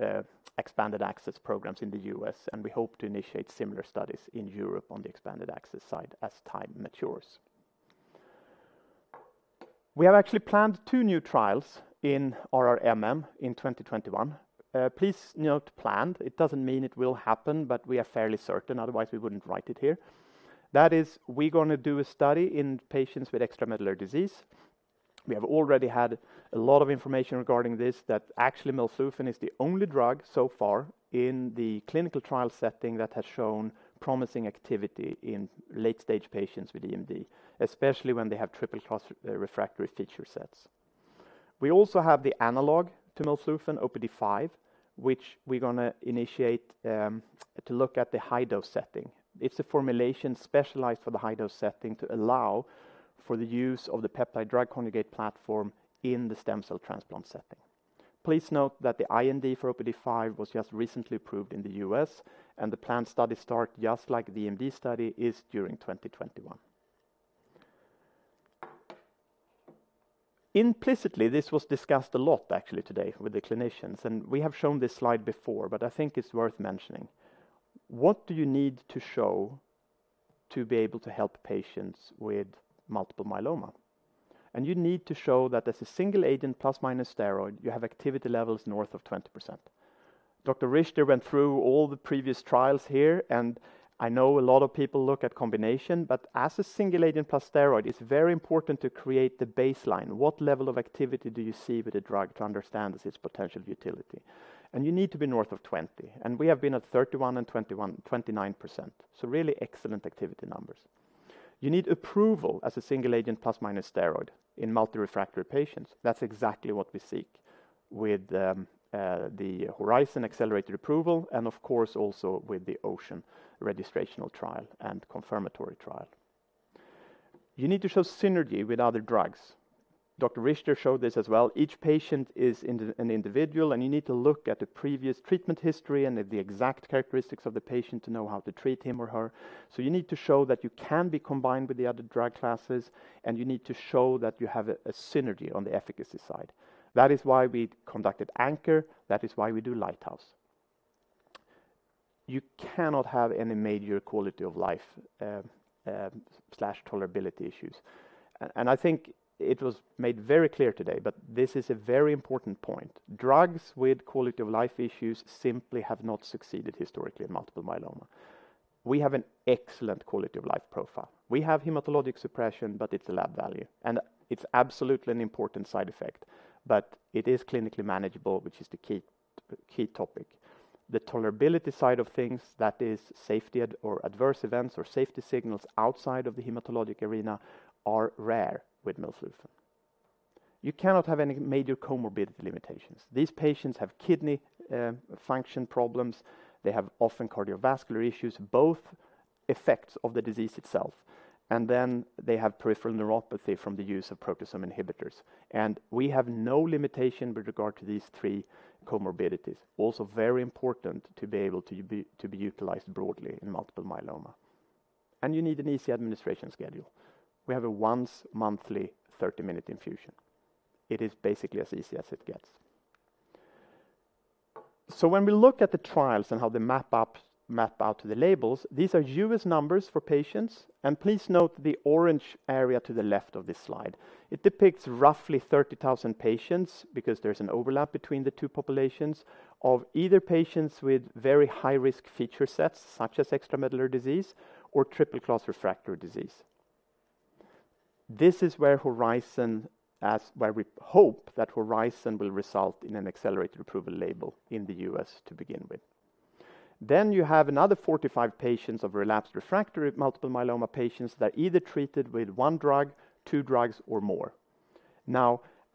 expanded access programs in the U.S., and we hope to initiate similar studies in Europe on the expanded access side as time matures. We have actually planned two new trials in RRMM in 2021. Please note planned. It doesn't mean it will happen, but we are fairly certain, otherwise, we wouldn't write it here. That is, we're going to do a study in patients with extramedullary disease. We have already had a lot of information regarding this that actually melflufen is the only drug so far in the clinical trial setting that has shown promising activity in late-stage patients with EMD, especially when they have triple-class refractory feature sets. We also have the analog to melflufen, OPD5, which we're going to initiate to look at the high-dose setting. It's a formulation specialized for the high-dose setting to allow for the use of the peptide-drug conjugate platform in the stem cell transplant setting. Please note that the IND for OPD5 was just recently approved in the U.S. The planned study start, just like the EMD study, is during 2021. Implicitly, this was discussed a lot actually today with the clinicians. We have shown this slide before. I think it's worth mentioning. What do you need to show to be able to help patients with multiple myeloma? You need to show that as a single agent plus/minus steroid, you have activity levels north of 20%. Dr. Richter went through all the previous trials here, and I know a lot of people look at combination, but as a single agent plus steroid, it's very important to create the baseline. What level of activity do you see with the drug to understand its potential utility? You need to be north of 20. We have been at 31% and 29%. Really excellent activity numbers. You need approval as a single agent plus/minus steroid in multi-refractory patients. That's exactly what we seek with the HORIZON accelerated approval and of course also with the OCEAN registrational trial and confirmatory trial. You need to show synergy with other drugs. Dr. Richter showed this as well. Each patient is an individual. You need to look at the previous treatment history and the exact characteristics of the patient to know how to treat him or her. You need to show that you can be combined with the other drug classes. You need to show that you have a synergy on the efficacy side. That is why we conducted ANCHOR. That is why we do LIGHTHOUSE. You cannot have any major quality of life/tolerability issues. I think it was made very clear today. This is a very important point. Drugs with quality-of-life issues simply have not succeeded historically in multiple myeloma. We have an excellent quality of life profile. We have hematologic suppression. It's a lab value. It's absolutely an important side effect. It is clinically manageable, which is the key topic. The tolerability side of things, that is safety or adverse events or safety signals outside of the hematologic arena, are rare with melflufen. You cannot have any major comorbidity limitations. These patients have kidney function problems. They have often cardiovascular issues, both effects of the disease itself. They have peripheral neuropathy from the use of proteasome inhibitors. We have no limitation with regard to these three comorbidities. Also very important to be able to be utilized broadly in multiple myeloma. You need an easy administration schedule. We have a once monthly 30-minute infusion. It is basically as easy as it gets. When we look at the trials and how they map out to the labels, these are U.S. numbers for patients. Please note the orange area to the left of this slide. It depicts roughly 30,000 patients because there's an overlap between the two populations of either patients with very high-risk feature sets, such as extramedullary disease or triple-class refractory disease. This is where we hope that HORIZON will result in an accelerated approval label in the U.S. to begin with. You have another 45,000 patients of relapsed refractory multiple myeloma patients that are either treated with one drug, two drugs, or more.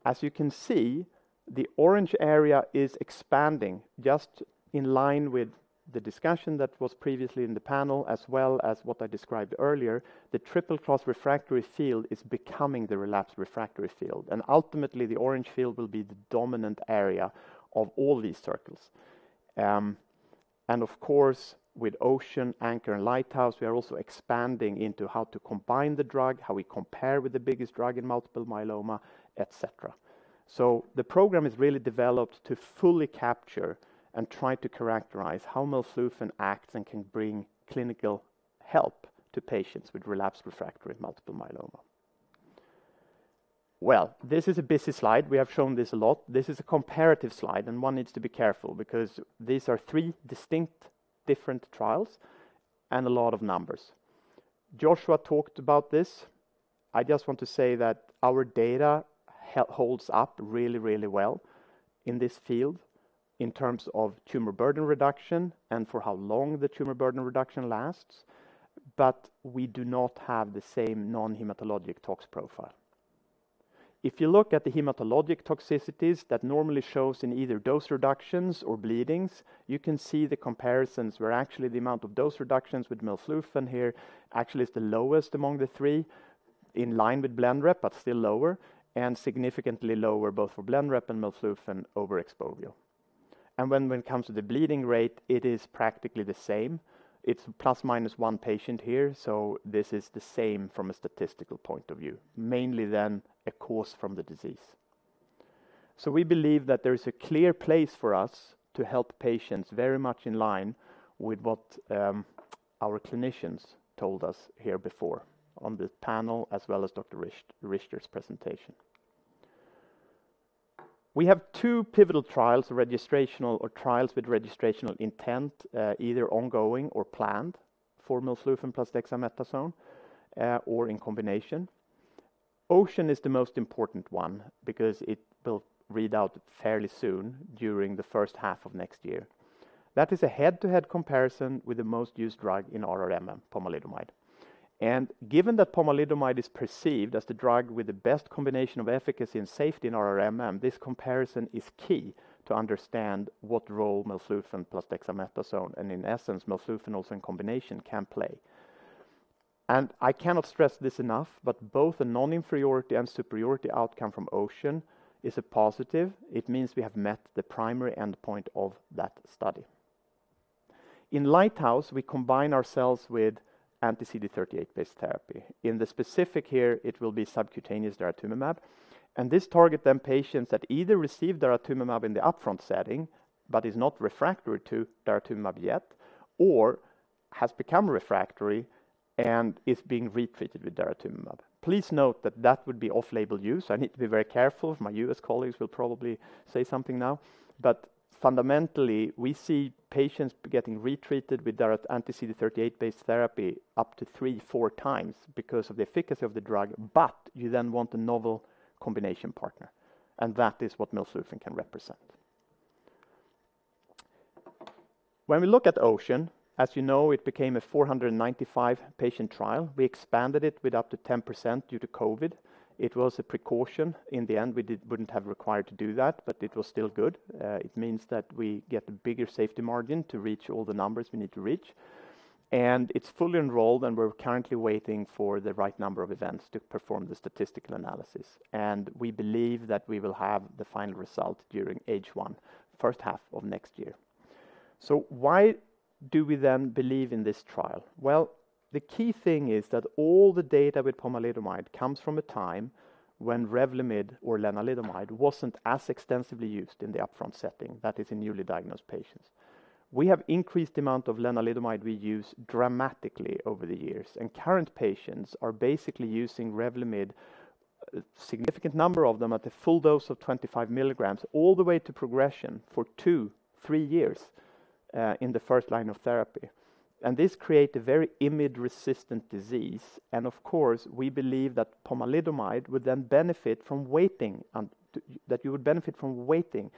As you can see, the orange area is expanding just in line with the discussion that was previously in the panel as well as what I described earlier. The triple-class refractory field is becoming the relapsed refractory field, and ultimately the orange field will be the dominant area of all these circles. Of course, with OCEAN, ANCHOR, and LIGHTHOUSE, we are also expanding into how to combine the drug, how we compare with the biggest drug in multiple myeloma, et cetera. The program is really developed to fully capture and try to characterize how melflufen acts and can bring clinical help to patients with relapsed refractory multiple myeloma. This is a busy slide. We have shown this a lot. This is a comparative slide, and one needs to be careful because these are three distinct different trials and a lot of numbers. Joshua talked about this. I just want to say that our data holds up really well in this field in terms of tumor burden reduction and for how long the tumor burden reduction lasts. We do not have the same non-hematologic tox profile. If you look at the hematologic toxicities that normally shows in either dose reductions or bleedings, you can see the comparisons where actually the amount of dose reductions with melflufen here actually is the lowest among the three in line with Blenrep but still lower and significantly lower both for Blenrep and melflufen over ixazomib. When it comes to the bleeding rate, it is practically the same. It's plus minus one patient here, so this is the same from a statistical point of view, mainly then a course from the disease. We believe that there is a clear place for us to help patients very much in line with what our clinicians told us here before on this panel, as well as Dr. Richter's presentation. We have two pivotal trials, registrational or trials with registrational intent, either ongoing or planned for melflufen plus dexamethasone or in combination. OCEAN is the most important one because it will read out fairly soon during the first half of next year. That is a head-to-head comparison with the most used drug in RRMM, pomalidomide. Given that pomalidomide is perceived as the drug with the best combination of efficacy and safety in RRMM, this comparison is key to understand what role melflufen plus dexamethasone, and in essence, melflufen also in combination can play. I cannot stress this enough, but both a non-inferiority and superiority outcome from OCEAN is a positive. It means we have met the primary endpoint of that study. In LIGHTHOUSE, we combine ourselves with anti-CD38-based therapy. In the specific here, it will be subcutaneous daratumumab, and this target then patients that either receive daratumumab in the upfront setting but is not refractory to daratumumab yet or has become refractory and is being retreated with daratumumab. Please note that that would be off-label use. I need to be very careful. My U.S. colleagues will probably say something now. Fundamentally, we see patients getting retreated with anti-CD38-based therapy up to three, four times because of the efficacy of the drug. You then want a novel combination partner, and that is what melflufen can represent. When we look at OCEAN, as you know, it became a 495-patient trial. We expanded it with up to 10% due to COVID. It was a precaution. In the end, we wouldn't have required to do that. It was still good. It means that we get a bigger safety margin to reach all the numbers we need to reach. It's fully enrolled. We're currently waiting for the right number of events to perform the statistical analysis. We believe that we will have the final result during H1, first half of next year. Why do we then believe in this trial? Well, the key thing is that all the data with pomalidomide comes from a time when Revlimid or lenalidomide wasn't as extensively used in the upfront setting. That is in newly diagnosed patients. We have increased the amount of lenalidomide we use dramatically over the years, and current patients are basically using Revlimid A significant number of them at the full dose of 25mg all the way to progression for two, three years in the first line of therapy. This creates a very IMiD-resistant disease. Of course, we believe that pomalidomide would then benefit from waiting, that you would benefit from waiting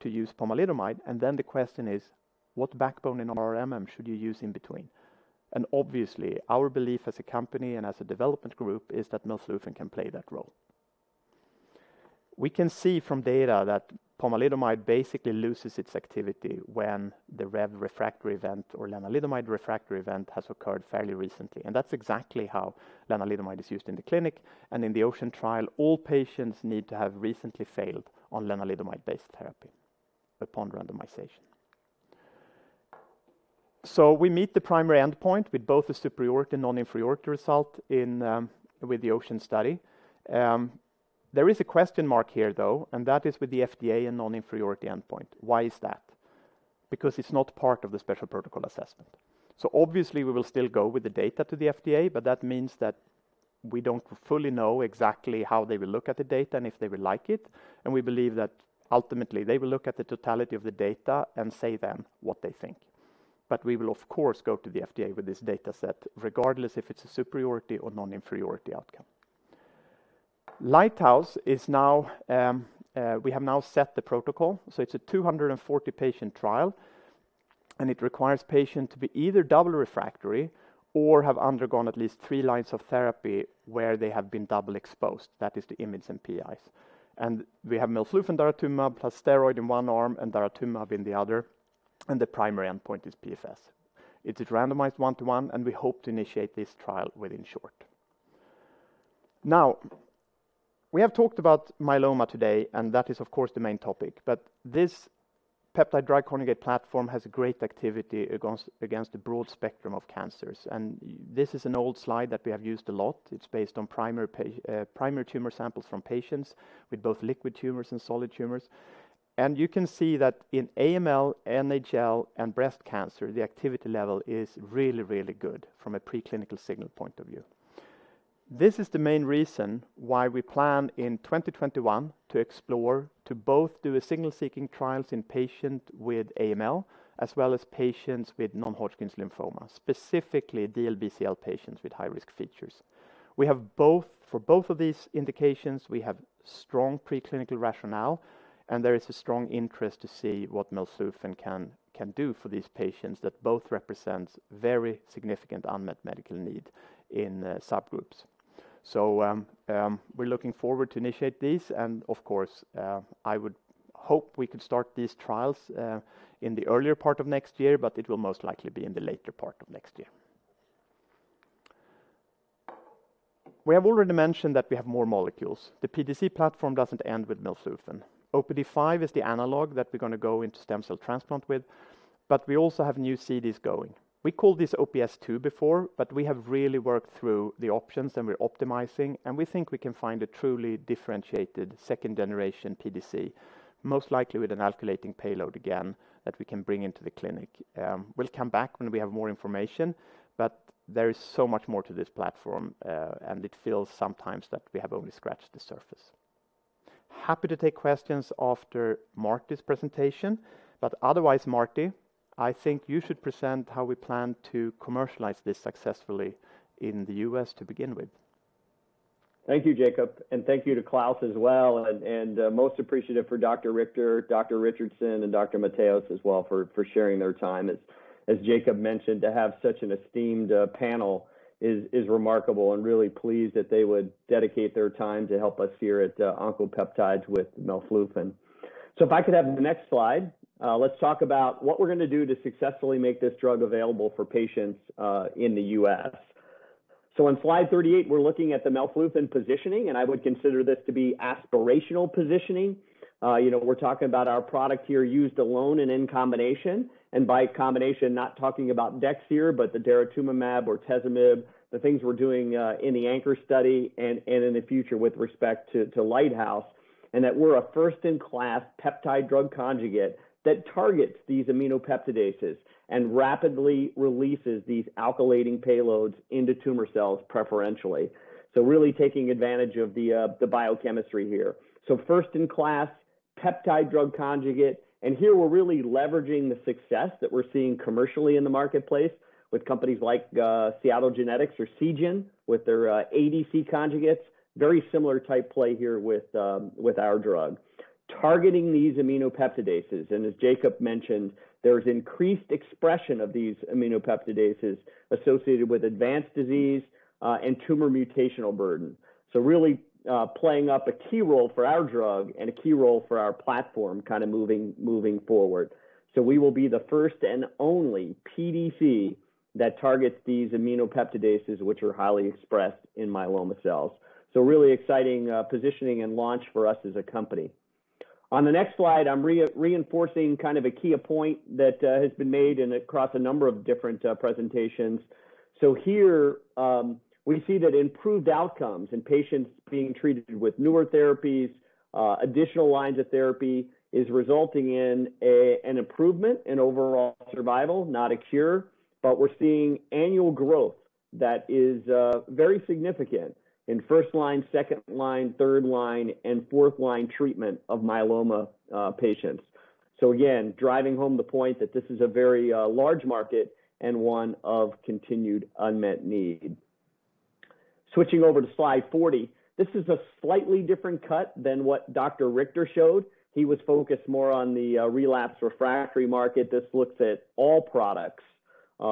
to use pomalidomide. Then the question is, what backbone in RRMM should you use in between? Obviously, our belief as a company and as a development group is that melflufen can play that role. We can see from data that pomalidomide basically loses its activity when the Rev refractory event or lenalidomide refractory event has occurred fairly recently, and that's exactly how lenalidomide is used in the clinic. In the OCEAN trial, all patients need to have recently failed on lenalidomide-based therapy upon randomization. We meet the primary endpoint with both the superiority and non-inferiority result with the OCEAN study. There is a question mark here, though, and that is with the FDA and non-inferiority endpoint. Why is that? Because it's not part of the special protocol assessment. Obviously we will still go with the data to the FDA, but that means that we don't fully know exactly how they will look at the data and if they will like it. We believe that ultimately they will look at the totality of the data and say then what they think. We will, of course, go to the FDA with this data set regardless if it's a superiority or non-inferiority outcome. We have now set the protocol for LIGHTHOUSE. It's a 240-patient trial, and it requires patients to be either double refractory or have undergone at least three lines of therapy where they have been double exposed, that is to IMiDs and PIs. We have melflufen daratumumab plus steroid in one arm and daratumumab in the other, and the primary endpoint is PFS. It is randomized one-to-one, and we hope to initiate this trial within short. We have talked about myeloma today, and that is of course the main topic. This peptide-drug conjugate platform has great activity against a broad spectrum of cancers. This is an old slide that we have used a lot. It's based on primary tumor samples from patients with both liquid tumors and solid tumors. You can see that in AML, NHL, and breast cancer, the activity level is really good from a preclinical signal point of view. This is the main reason why we plan in 2021 to explore to both do a signal-seeking trials in patient with AML as well as patients with non-Hodgkin's lymphoma, specifically DLBCL patients with high-risk features. For both of these indications, we have strong preclinical rationale, and there is a strong interest to see what melflufen can do for these patients that both represent very significant unmet medical need in subgroups. we're looking forward to initiate this and, of course, I would hope we could start these trials in the earlier part of next year, but it will most likely be in the later part of next year. We have already mentioned that we have more molecules. The PDC platform doesn't end with melflufen. OPD5 is the analog that we're going to go into stem cell transplant with, but we also have new CDs going. We called this OPS2 before, but we have really worked through the options and we're optimizing, and we think we can find a truly differentiated second-generation PDC, most likely with an alkylating payload again that we can bring into the clinic. We'll come back when we have more information, but there is so much more to this platform. it feels sometimes that we have only scratched the surface. Happy to take questions after Marty's presentation. Otherwise, Marty, I think you should present how we plan to commercialize this successfully in the U.S. to begin with. Thank you, Jakob, and thank you to Klaas as well, and most appreciative for Dr. Richter, Dr. Richardson, and Dr. Mateos as well for sharing their time. As Jakob mentioned, to have such an esteemed panel is remarkable and really pleased that they would dedicate their time to help us here at Oncopeptides with melflufen. If I could have the next slide. Let's talk about what we're going to do to successfully make this drug available for patients in the U.S. On Slide 38, we're looking at the melflufen positioning, and I would consider this to be aspirational positioning. We're talking about our product here used alone and in combination, and by combination, not talking about dex here, but the daratumumab or bortezomib, the things we're doing in the ANCHOR study and in the future with respect to LIGHTHOUSE. That we're a first-in-class peptide-drug conjugate that targets these aminopeptidases and rapidly releases these alkylating payloads into tumor cells preferentially. Really taking advantage of the biochemistry here. First-in-class peptide-drug conjugate. Here we're really leveraging the success that we're seeing commercially in the marketplace with companies like Seattle Genetics or Seagen with their ADC conjugates. Very similar type play here with our drug. Targeting these aminopeptidases, and as Jakob mentioned, there's increased expression of these aminopeptidases associated with advanced disease and tumor mutational burden. Really playing up a key role for our drug and a key role for our platform moving forward. We will be the first and only PDC that targets these aminopeptidases which are highly expressed in myeloma cells. Really exciting positioning and launch for us as a company. On the next slide, I'm reinforcing a key point that has been made and across a number of different presentations. Here we see that improved outcomes in patients being treated with newer therapies, additional lines of therapy is resulting in an improvement in overall survival, not a cure, but we're seeing annual growth that is very significant in first-line, second-line, third-line, and fourth-line treatment of myeloma patients. Again, driving home the point that this is a very large market and one of continued unmet need. Switching over to Slide 40, this is a slightly different cut than what Dr. Richter showed. He was focused more on the relapse refractory market. This looks at all products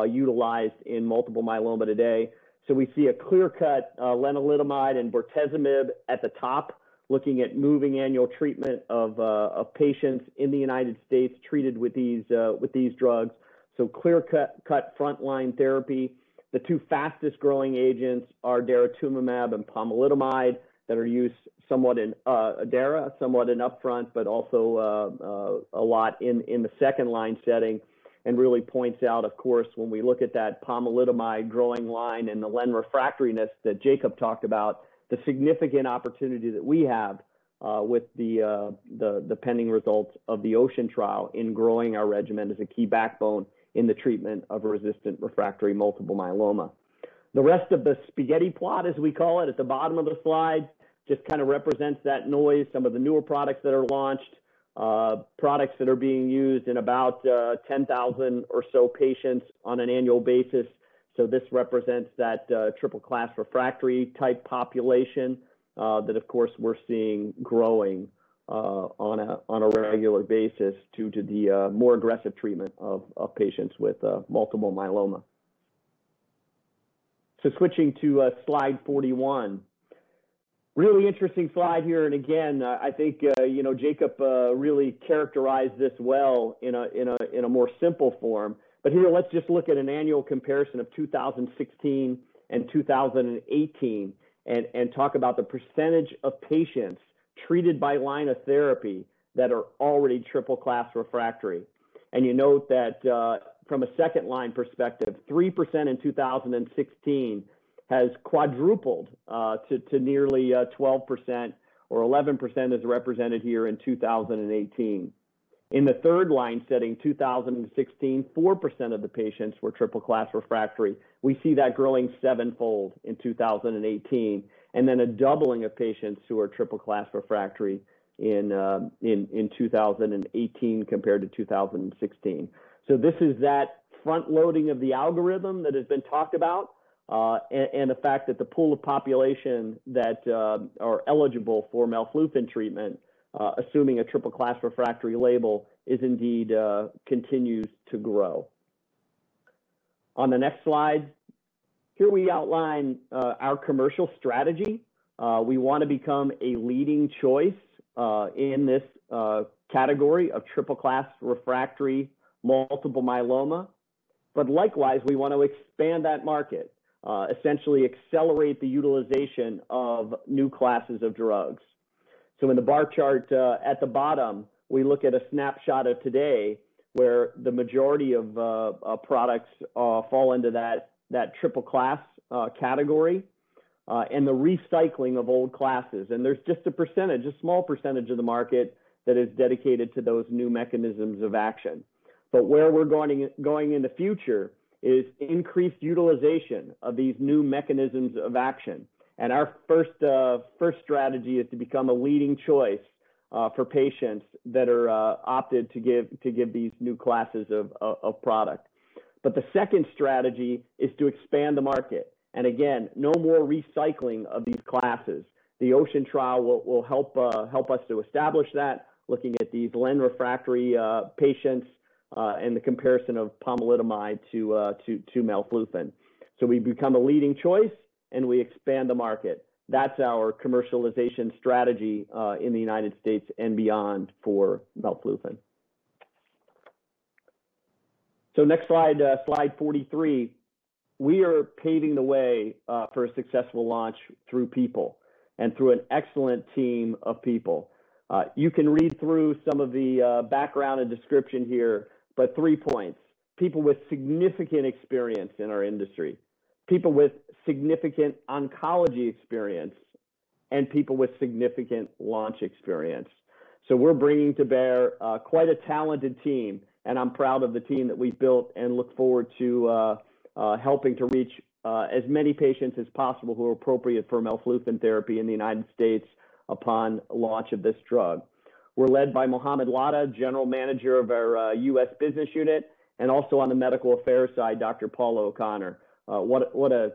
utilized in multiple myeloma today. We see a clear cut, lenalidomide and bortezomib at the top, looking at moving annual treatment of patients in the United States treated with these drugs. Clear-cut frontline therapy. The two fastest-growing agents are daratumumab and pomalidomide that are used somewhat with DARA, somewhat in upfront, but also a lot in the second-line setting, really points out, of course, when we look at that pomalidomide-growing line and the len-refractoriness that Jakob talked about, the significant opportunity that we have with the pending results of the OCEAN trial in growing our regimen as a key backbone in the treatment of resistant refractory multiple myeloma. The rest of the spaghetti plot, as we call it, at the bottom of the slide, just represents that noise. Some of the newer products that are launched, products that are being used in about 10,000 or so patients on an annual basis. This represents that triple class refractory-type population that, of course, we're seeing growing on a regular basis due to the more aggressive treatment of patients with multiple myeloma. Switching to Slide 41. Really interesting slide here. Again, I think Jakob really characterized this well in a more simple form. Here, let's just look at an annual comparison of 2016 and 2018 and talk about the percentage of patients treated by line of therapy that are already triple class refractory. You note that from a second-line perspective, 3% in 2016 has quadrupled to nearly 12%, or 11% as represented here in 2018. In the third-line setting, 2016, 4% of the patients were triple class refractory. We see that growing sevenfold in 2018, and then a doubling of patients who are triple class refractory in 2018 compared to 2016. This is that front-loading of the algorithm that has been talked about, and the fact that the pool of population that are eligible for melflufen treatment, assuming a triple-class refractory label, indeed continues to grow. On the next slide, here we outline our commercial strategy. We want to become a leading choice in this category of triple-class refractory multiple myeloma. Likewise, we want to expand that market, essentially accelerate the utilization of new classes of drugs. In the bar chart at the bottom, we look at a snapshot of today where the majority of products fall into that triple class category, and the recycling of old classes. There's just a small percentage of the market that is dedicated to those new mechanisms of action. Where we're going in the future is increased utilization of these new mechanisms of action. Our first strategy is to become a leading choice for patients that are opted to give these new classes of product. The second strategy is to expand the market. Again, no more recycling of these classes. The OCEAN trial will help us to establish that, looking at these len-refractory patients, and the comparison of pomalidomide to melflufen. We become a leading choice and we expand the market. That's our commercialization strategy in the U.S. and beyond for melflufen. Next Slide 43. We are paving the way for a successful launch through people and through an excellent team of people. You can read through some of the background and description here, but three points. People with significant experience in our industry, people with significant oncology experience, and people with significant launch experience. We're bringing to bear quite a talented team, and I'm proud of the team that we've built and look forward to helping to reach as many patients as possible who are appropriate for melflufen therapy in the U.S. upon launch of this drug. We're led by Mohamed Ladha, general manager of our U.S. business unit, and also on the medical affairs side, Dr. Paula O'Connor. What a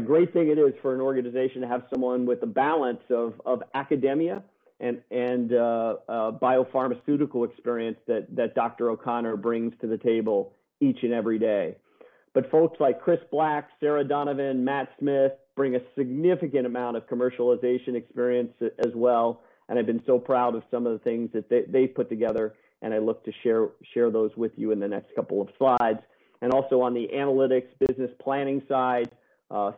great thing it is for an organization to have someone with the balance of academia and biopharmaceutical experience that Dr. O'Connor brings to the table each and every day. Folks like Chris Black, Sarah Donovan, Matt Smith, bring a significant amount of commercialization experience as well, and I've been so proud of some of the things that they've put together, and I look to share those with you in the next couple of slides. Also on the analytics business planning side,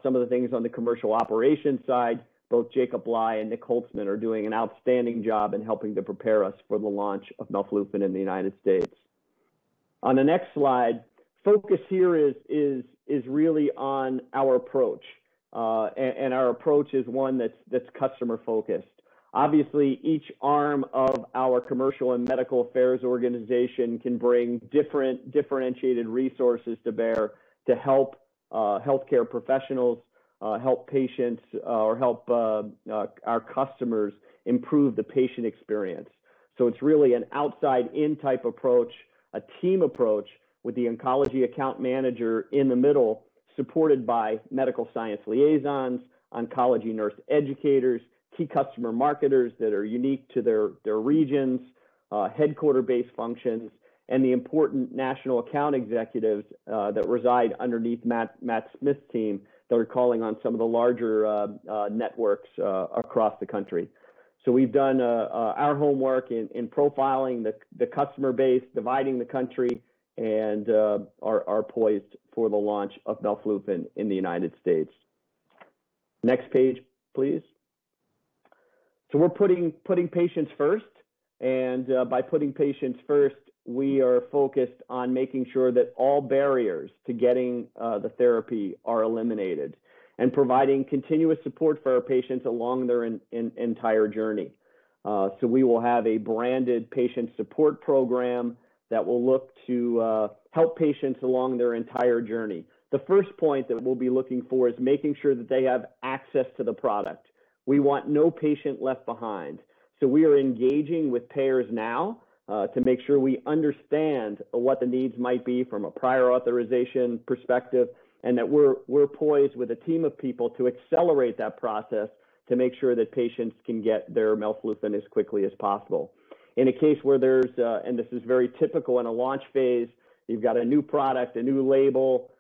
some of the things on the commercial operations side, both Jakob Lindberg and Nick Holtzman are doing an outstanding job in helping to prepare us for the launch of melflufen in the U.S. On the next slide, focus here is really on our approach. Our approach is one that's customer-focused. Obviously, each arm of our commercial and medical affairs organization can bring differentiated resources to bear to help healthcare professionals help patients or help our customers improve the patient experience. It's really an outside-in type approach, a team approach with the oncology account manager in the middle, supported by medical science liaisons, oncology nurse educators, key customer marketers that are unique to their regions, headquarter-based functions, and the important national account executives that reside underneath Matt Smith's team that are calling on some of the larger networks across the country. We've done our homework in profiling the customer base, dividing the country, and are poised for the launch of melflufen in the United States. Next page, please. We're putting patients first, and by putting patients first, we are focused on making sure that all barriers to getting the therapy are eliminated and providing continuous support for our patients along their entire journey. We will have a branded patient support program that will look to help patients along their entire journey. The first point that we'll be looking for is making sure that they have access to the product. We want no patient left behind. We are engaging with payers now to make sure we understand what the needs might be from a prior authorization perspective, and that we're poised with a team of people to accelerate that process to make sure that patients can get their melflufen as quickly as possible. In a case where there's, and this is very typical in a launch phase, you've got a new product, a new label,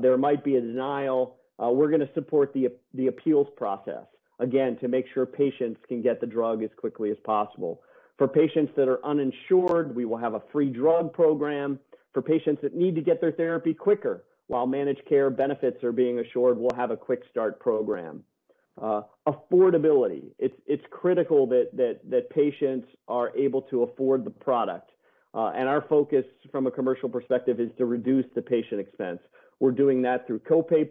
there might be a denial. We're going to support the appeals process, again, to make sure patients can get the drug as quickly as possible. For patients that are uninsured, we will have a free drug program. For patients that need to get their therapy quicker while managed care benefits are being assured, we'll have a quick start program. Affordability, it's critical that patients are able to afford the product. Our focus from a commercial perspective is to reduce the patient expense. We're doing that through co-pay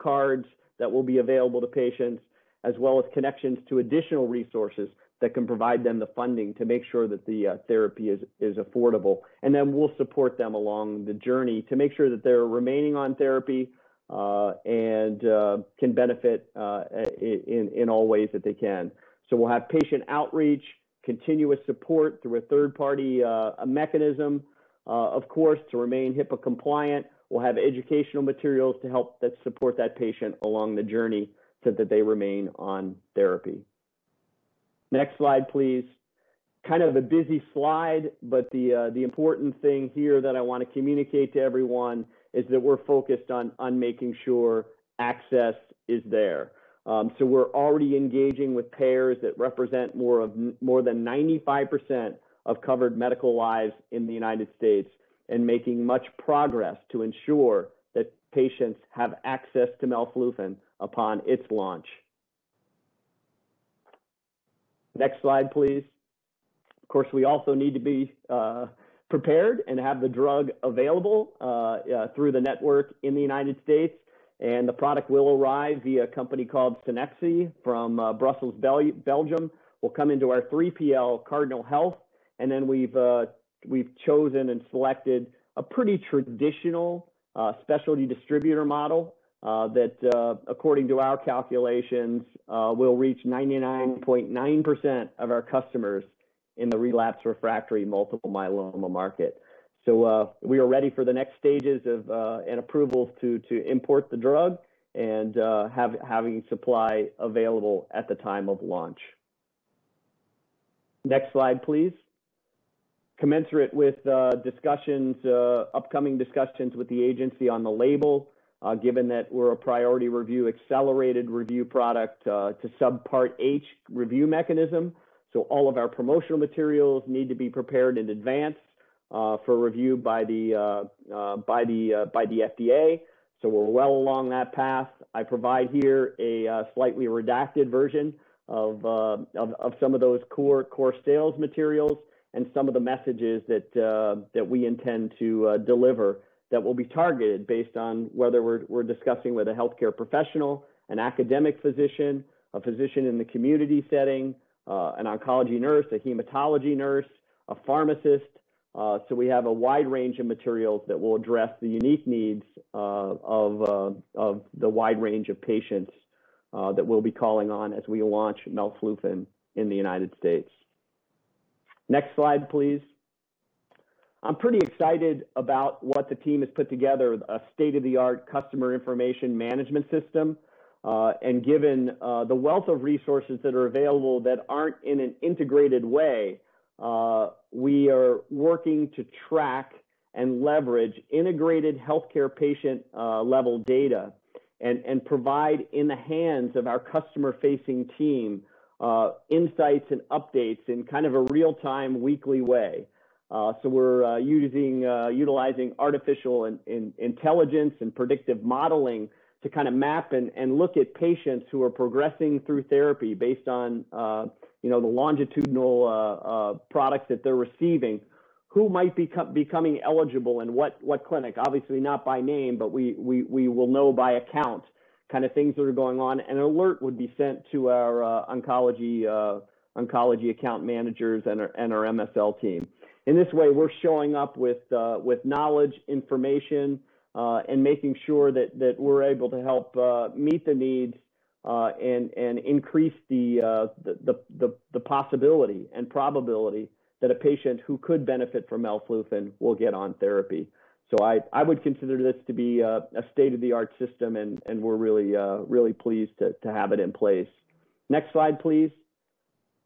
cards that will be available to patients, as well as connections to additional resources that can provide them the funding to make sure that the therapy is affordable. We'll support them along the journey to make sure that they're remaining on therapy, and can benefit in all ways that they can. We'll have patient outreach, continuous support through a third-party mechanism. Of course, to remain HIPAA compliant, we'll have educational materials to help support that patient along the journey so that they remain on therapy. Next slide, please. Kind of a busy slide, but the important thing here that I want to communicate to everyone is that we're focused on making sure access is there. We're already engaging with payers that represent more than 95% of covered medical lives in the U.S. and making much progress to ensure that patients have access to melflufen upon its launch. Next slide, please. Of course, we also need to be prepared and have the drug available through the network in the U.S., and the product will arrive via a company called Cenexi from Brussels, Belgium, will come into our 3PL Cardinal Health, and then we've chosen and selected a pretty traditional specialty distributor model that according to our calculations will reach 99.9% of our customers in the relapsed refractory multiple myeloma market. We are ready for the next stages of an approval to import the drug and having supply available at the time of launch. Next slide, please. Commensurate with upcoming discussions with the agency on the label, given that we're a priority review, accelerated review product to Subpart H review mechanism, all of our promotional materials need to be prepared in advance for review by the FDA. We're well along that path. I provide here a slightly redacted version of some of those core sales materials and some of the messages that we intend to deliver that will be targeted based on whether we're discussing with a healthcare professional, an academic physician, a physician in the community setting, an oncology nurse, a hematology nurse, a pharmacist. We have a wide range of materials that will address the unique needs of the wide range of patients that we'll be calling on as we launch melflufen in the United States. Next slide, please. I'm pretty excited about what the team has put together, a state-of-the-art customer information management system. Given the wealth of resources that are available that aren't in an integrated way, we are working to track and leverage integrated healthcare patient-level data and provide in the hands of our customer-facing team, insights and updates in kind of a real-time weekly way. We're utilizing artificial intelligence and predictive modeling to map and look at patients who are progressing through therapy based on the longitudinal product that they're receiving, who might be becoming eligible and what clinic, obviously not by name, but we will know by account kind of things that are going on. An alert would be sent to our oncology account managers and our MSL team. In this way, we're showing up with knowledge, information, and making sure that we're able to help meet the needs and increase the possibility and probability that a patient who could benefit from melflufen will get on therapy. I would consider this to be a state-of-the-art system, and we're really pleased to have it in place. Next slide, please.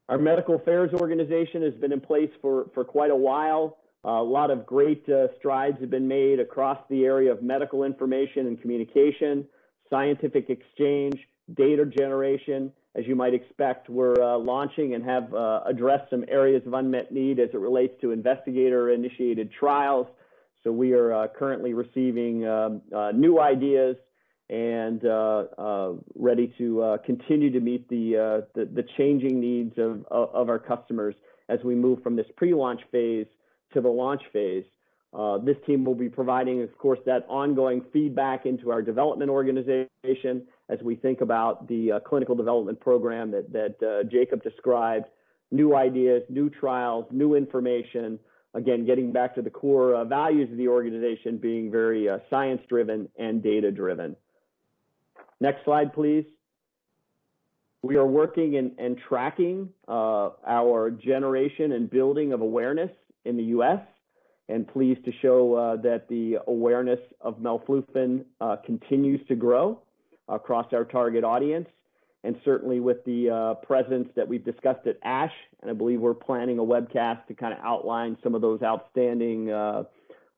Our medical affairs organization has been in place for quite a while. A lot of great strides have been made across the area of medical information and communication, scientific exchange, data generation. As you might expect, we're launching and have addressed some areas of unmet need as it relates to investigator-initiated trials. We are currently receiving new ideas and are ready to continue to meet the changing needs of our customers as we move from this pre-launch phase to the launch phase. This team will be providing, of course, that ongoing feedback into our development organization as we think about the clinical development program that Jakob described. New ideas, new trials, new information. Again, getting back to the core values of the organization being very science-driven and data-driven. Next slide, please. We are working and tracking our generation and building of awareness in the US, and pleased to show that the awareness of melflufen continues to grow across our target audience. Certainly with the presence that we've discussed at ASH, and I believe we're planning a webcast to outline some of those outstanding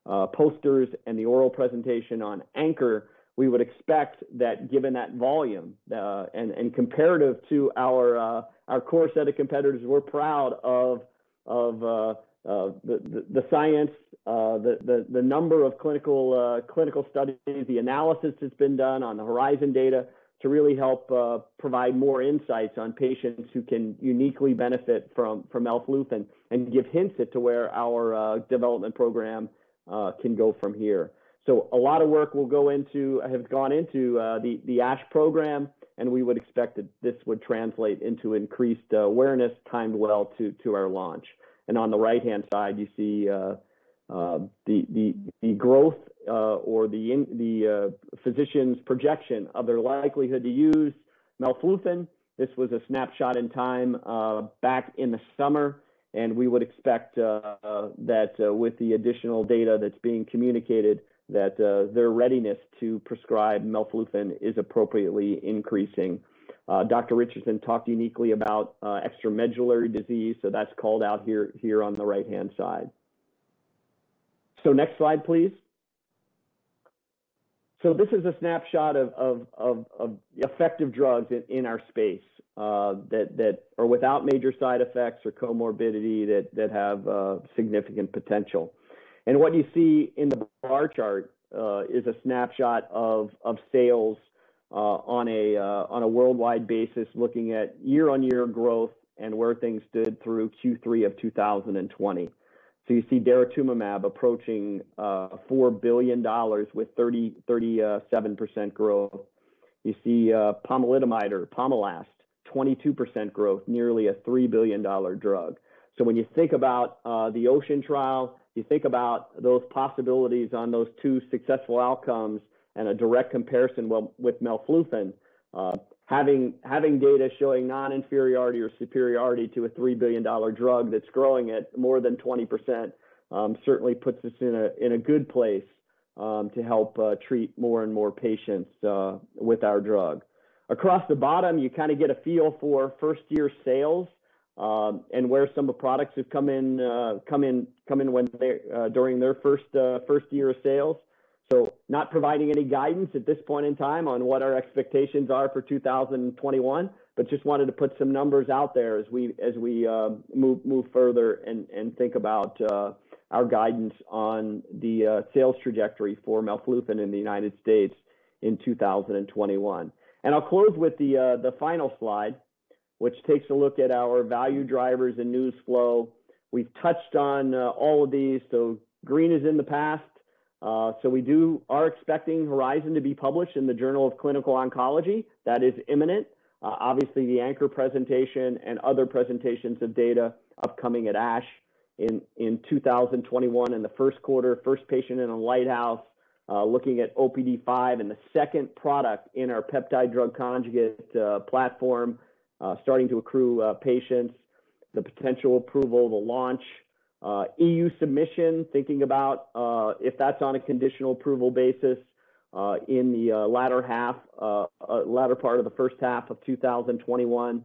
posters and the oral presentation on ANCHOR. We would expect that given that volume, and comparative to our core set of competitors, we're proud of the science, the number of clinical studies, the analysis that's been done on the HORIZON data to really help provide more insights on patients who can uniquely benefit from melflufen and give hints as to where our development program can go from here. A lot of work has gone into the ASH program. We would expect that this would translate into increased awareness timed well to our launch. On the right-hand side, you see the growth or the physicians' projection of their likelihood to use melflufen. This was a snapshot in time back in the summer. We would expect that with the additional data that's being communicated, that their readiness to prescribe melflufen is appropriately increasing. Dr. Richardson talked uniquely about extramedullary disease, that's called out here on the right-hand side. Next slide, please. This is a snapshot of effective drugs in our space that are without major side effects or comorbidity that have significant potential. What you see in the bar chart is a snapshot of sales on a worldwide basis, looking at year-on-year growth and where things stood through Q3 of 2020. You see daratumumab approaching $4 billion with 37% growth. You see pomalidomide or Pomalyst, 22% growth, nearly a $3 billion drug. When you think about the OCEAN trial, you think about those possibilities on those two successful outcomes and a direct comparison with melflufen. Having data showing non-inferiority or superiority to a $3 billion drug that's growing at more than 20% certainly puts us in a good place to help treat more and more patients with our drug. Across the bottom, you get a feel for first-year sales and where some of the products have come in during their first year of sales. Not providing any guidance at this point in time on what our expectations are for 2021, but just wanted to put some numbers out there as we move further and think about our guidance on the sales trajectory for melflufen in the United States in 2021. I'll close with the final slide, which takes a look at our value drivers and news flow. We've touched on all of these. Green is in the past. We are expecting HORIZON to be published in the "Journal of Clinical Oncology." That is imminent. The ANCHOR presentation and other presentations of data upcoming at ASH in 2021 in the first quarter. First patient in a LIGHTHOUSE looking at OPD5 and the second product in our peptide-drug conjugate platform starting to accrue patients. The potential approval, the launch. EU submission, thinking about if that's on a conditional approval basis in the latter part of the first half of 2021.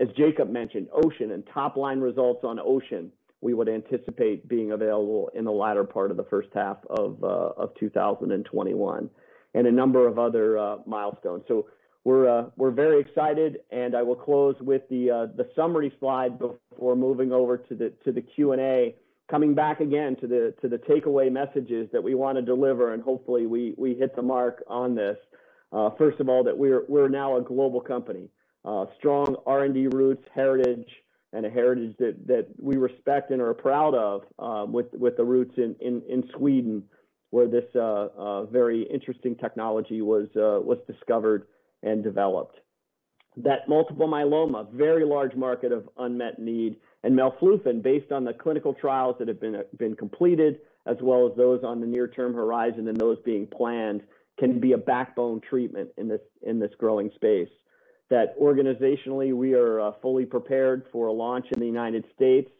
As Jakob mentioned, OCEAN and top-line results on OCEAN we would anticipate being available in the latter part of the first half of 2021, and a number of other milestones. We're very excited, and I will close with the summary slide before moving over to the Q&A. Coming back again to the takeaway messages that we want to deliver, and hopefully we hit the mark on this. First of all, that we're now a global company. Strong R&D roots, heritage, and a heritage that we respect and are proud of with the roots in Sweden, where this very interesting technology was discovered and developed. That multiple myeloma, very large market of unmet need, and melflufen, based on the clinical trials that have been completed, as well as those on the near-term horizon and those being planned, can be a backbone treatment in this growing space. That organizationally, we are fully prepared for a launch in the United States,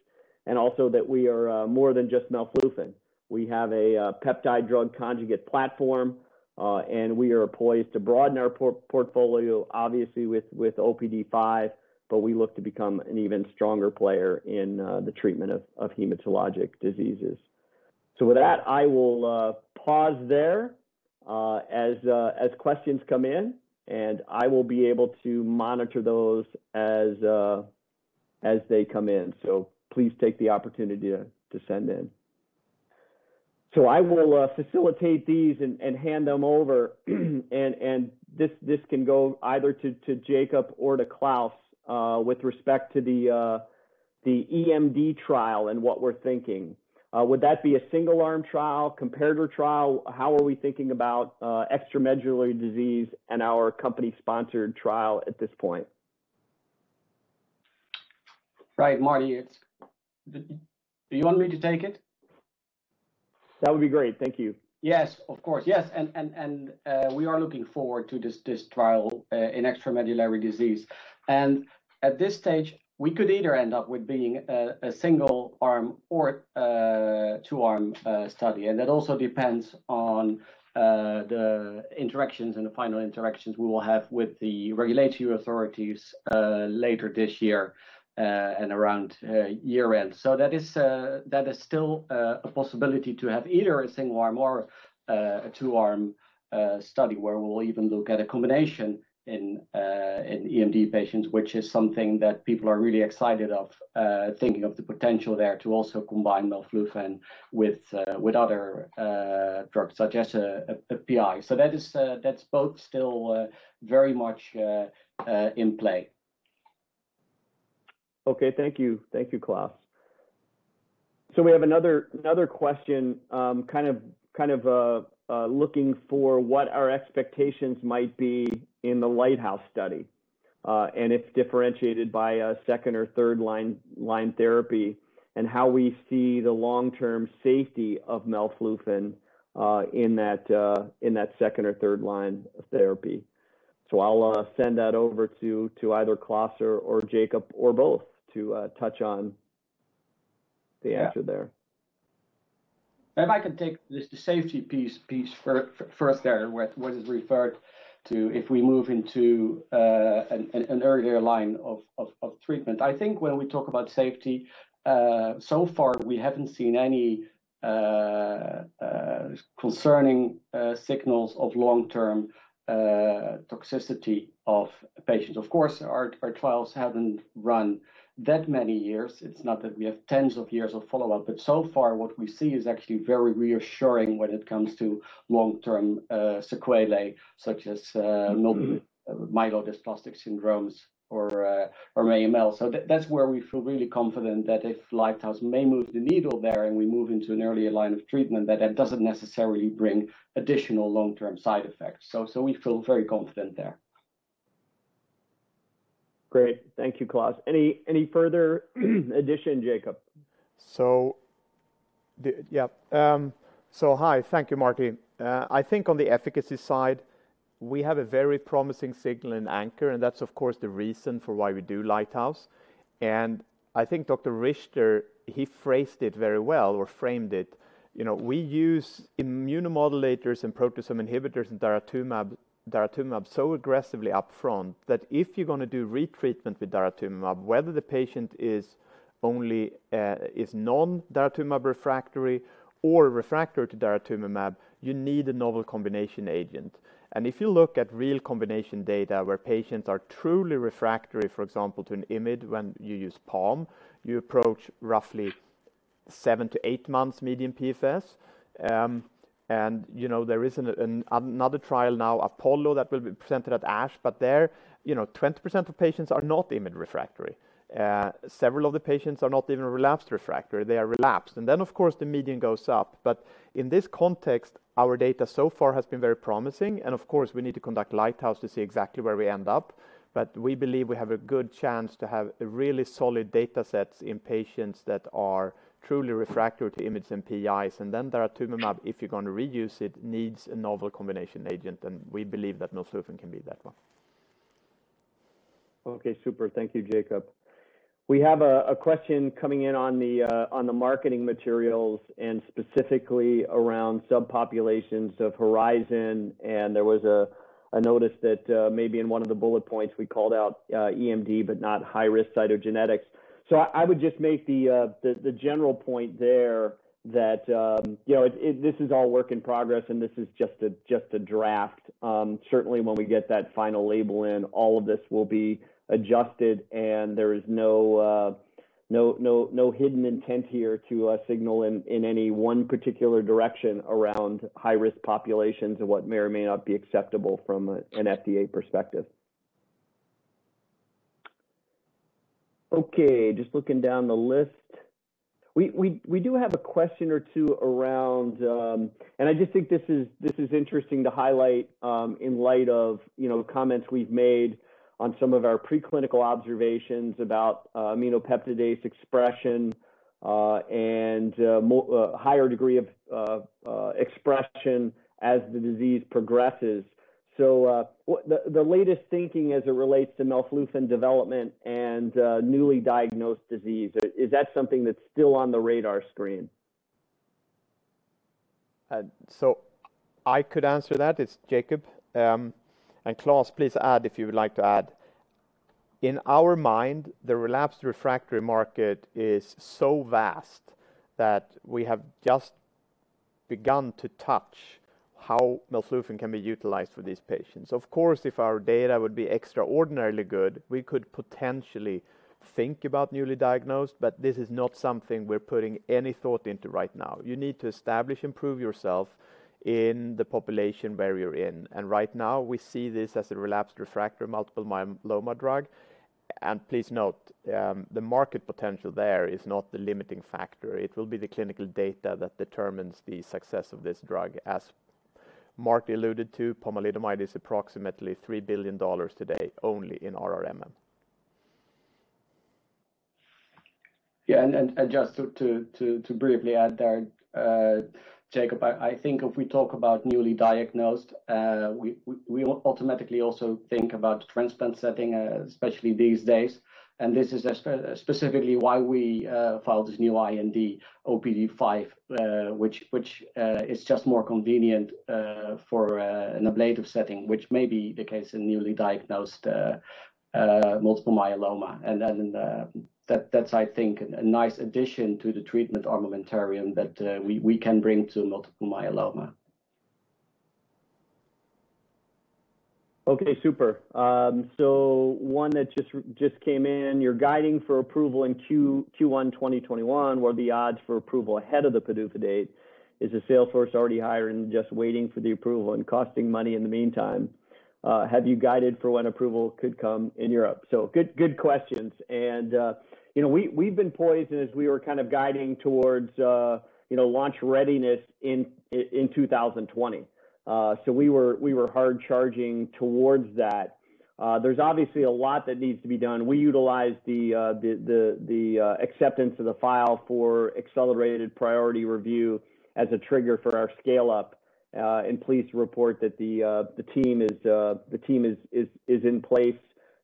and also that we are more than just melflufen. We have a peptide-drug conjugate platform, and we are poised to broaden our portfolio, obviously with OPD5, but we look to become an even stronger player in the treatment of hematologic diseases. With that, I will pause there as questions come in, and I will be able to monitor those as they come in. Please take the opportunity to send in. I will facilitate these and hand them over. This can go either to Jakob or to Klaas with respect to the EMD trial and what we're thinking. Would that be a single-arm trial, comparator trial? How are we thinking about extramedullary disease and our company-sponsored trial at this point? Right, Marty, do you want me to take it? That would be great. Thank you. Yes, of course. Yes, we are looking forward to this trial in extramedullary disease. At this stage, we could either end up with being a single-arm or a two-arm study. That also depends on the interactions and the final interactions we will have with the regulatory authorities later this year and around year-end. That is still a possibility to have either a single-arm or a two-arm study where we'll even look at a combination in EMD patients, which is something that people are really excited of thinking of the potential there to also combine melflufen with other drugs, such as a PI. That's both still very much in play. Okay. Thank you. Thank you, Klaas. We have another question kind of looking for what our expectations might be in the LIGHTHOUSE study, and it's differentiated by a second or third-line therapy, and how we see the long-term safety of melflufen in that second or third-line therapy. I'll send that over to either Klaas or Jakob or both to touch on the answer there. Yeah. Maybe I can take the safety piece first there, what is referred to if we move into an earlier line of treatment. I think when we talk about safety, so far we haven't seen any concerning signals of long-term toxicity of patients. Of course, our trials haven't run that many years. It's not that we have tens of years of follow-up. So far what we see is actually very reassuring when it comes to long-term sequelae, such as myelodysplastic syndromes or AML. That's where we feel really confident that if LIGHTHOUSE may move the needle there and we move into an earlier line of treatment, that that doesn't necessarily bring additional long-term side effects. We feel very confident there. Great. Thank you, Klaas. Any further addition, Jakob? Yeah. Hi. Thank you, Marty. I think on the efficacy side, we have a very promising signal in ANCHOR, and that's of course the reason for why we do LIGHTHOUSE. I think Dr. Richter, he phrased it very well or framed it. We use immunomodulators and proteasome inhibitors and daratumumab so aggressively upfront that if you're going to do retreatment with daratumumab, whether the patient is non-daratumumab refractory or refractory to daratumumab, you need a novel combination agent. If you look at real combination data where patients are truly refractory, for example, to an IMiD when you use POM, you approach roughly 7-8 months median PFS. There is another trial now, APOLLO, that will be presented at ASH, but there 20% of patients are not IMiD refractory. Several of the patients are not even relapsed refractory. They are relapsed. Of course, the median goes up. In this context, our data so far has been very promising, and of course, we need to conduct LIGHTHOUSE to see exactly where we end up. We believe we have a good chance to have really solid data sets in patients that are truly refractory to IMiDs and PIs, and then daratumumab, if you're going to reuse it, needs a novel combination agent, and we believe that melflufen can be that one. Okay, super. Thank you, Jakob. We have a question coming in on the marketing materials and specifically around subpopulations of HORIZON, and there was a notice that maybe in one of the bullet points we called out EMD, but not high-risk cytogenetics. I would just make the general point there that this is all work in progress, and this is just a draft. Certainly, when we get that final label in, all of this will be adjusted, and there is no hidden intent here to signal in any one particular direction around high-risk populations and what may or may not be acceptable from an FDA perspective. Okay, just looking down the list. We do have a question or two around, and I just think this is interesting to highlight in light of comments we've made on some of our preclinical observations about aminopeptidase expression, and higher degree of expression as the disease progresses. The latest thinking as it relates to melflufen development and newly diagnosed disease, is that something that's still on the radar screen? I could answer that. It's Jakob. Klaas, please add if you would like to add. In our mind, the relapsed refractory market is so vast that we have just begun to touch how melflufen can be utilized for these patients. Of course, if our data would be extraordinarily good, we could potentially think about newly diagnosed, but this is not something we're putting any thought into right now. You need to establish and prove yourself in the population where you're in. Right now we see this as a relapsed refractory multiple myeloma drug. Please note, the market potential there is not the limiting factor. It will be the clinical data that determines the success of this drug. As Marty alluded to, pomalidomide is approximately $3 billion today only in RRMM. Just to briefly add there, Jakob, I think if we talk about newly diagnosed, we automatically also think about transplant setting, especially these days. This is specifically why we filed this new IND, OPD5, which is just more convenient for an ablative setting, which may be the case in newly diagnosed multiple myeloma. That's, I think, a nice addition to the treatment armamentarium that we can bring to multiple myeloma. Okay, super. One that just came in. You're guiding for approval in Q1 2021. What are the odds for approval ahead of the PDUFA date? Is the sales force already hiring, just waiting for the approval and costing money in the meantime? Have you guided for when approval could come in Europe? Good questions. We've been poised, and as we were kind of guiding towards launch readiness in 2020. We were hard charging towards that. There's obviously a lot that needs to be done. We utilize the acceptance of the file for accelerated priority review as a trigger for our scale-up. Pleased to report that the team is in place,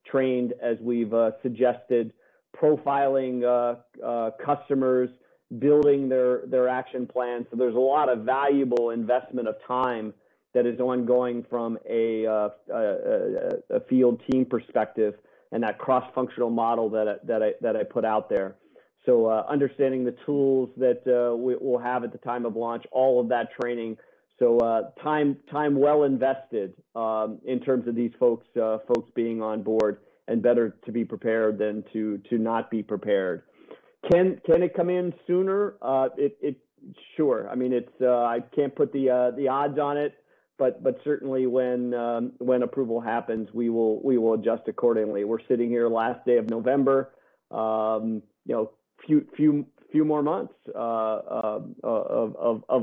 trained as we've suggested, profiling customers, building their action plan. There's a lot of valuable investment of time that is ongoing from a field team perspective and that cross-functional model that I put out there. Understanding the tools that we will have at the time of launch, all of that training. Time well invested in terms of these folks being on board, and better to be prepared than to not be prepared. Can it come in sooner? Sure. I can't put the odds on it, but certainly when approval happens, we will adjust accordingly. We're sitting here last day of November. A few more months of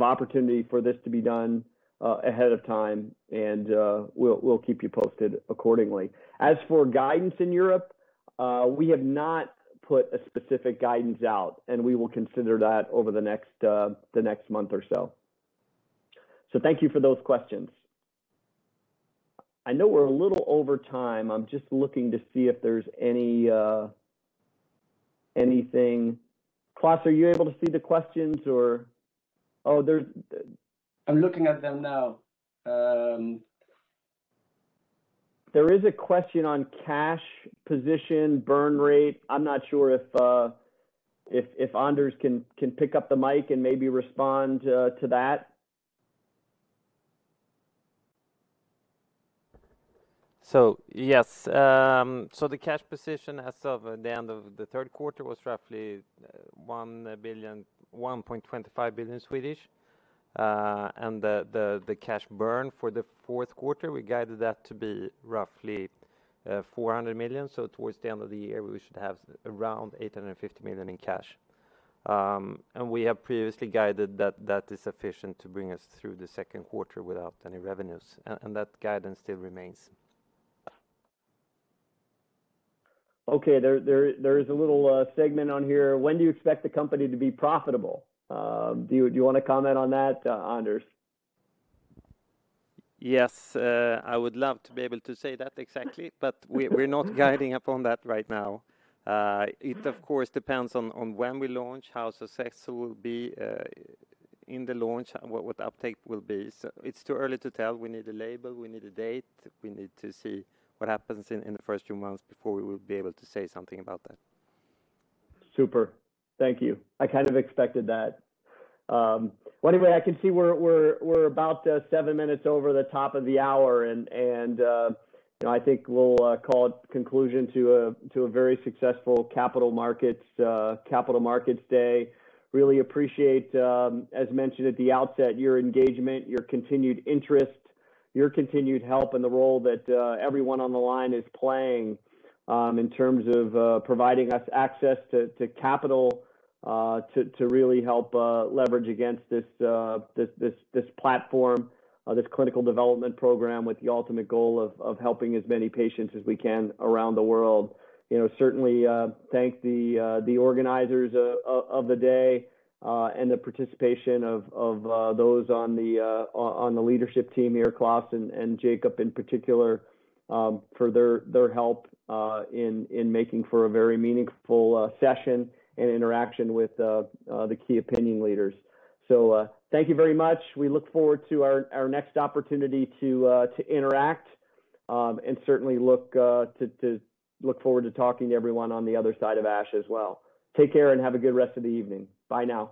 opportunity for this to be done ahead of time, and we'll keep you posted accordingly. As for guidance in Europe, we have not put a specific guidance out, and we will consider that over the next month or so. Thank you for those questions. I know we're a little over time. I'm just looking to see if there's anything. Klaas, are you able to see the questions? I'm looking at them now. There is a question on cash position, burn rate. I'm not sure if Anders can pick up the mic and maybe respond to that. Yes. The cash position as of the end of the third quarter was roughly 1.25 billion, and the cash burn for the fourth quarter, we guided that to be roughly 400 million. Towards the end of the year, we should have around 850 million in cash. We have previously guided that that is sufficient to bring us through the second quarter without any revenues, and that guidance still remains. Okay, there is a little segment on here. When do you expect the company to be profitable? Do you want to comment on that, Anders? Yes, I would love to be able to say that exactly, but we're not guiding upon that right now. It, of course, depends on when we launch, how successful we'll be in the launch, and what the uptake will be. It's too early to tell. We need a label. We need a date. We need to see what happens in the first few months before we will be able to say something about that. Super. Thank you. I kind of expected that. Anyway, I can see we're about seven minutes over the top of the hour, and I think we'll call conclusion to a very successful Capital Markets Day. Really appreciate, as mentioned at the outset, your engagement, your continued interest, your continued help, and the role that everyone on the line is playing in terms of providing us access to capital to really help leverage against this platform, this clinical development program with the ultimate goal of helping as many patients as we can around the world. Certainly thank the organizers of the day, and the participation of those on the leadership team here, Klaas and Jakob in particular, for their help in making for a very meaningful session and interaction with the key opinion leaders. Thank you very much. We look forward to our next opportunity to interact, and certainly look forward to talking to everyone on the other side of ASH as well. Take care and have a good rest of the evening. Bye now.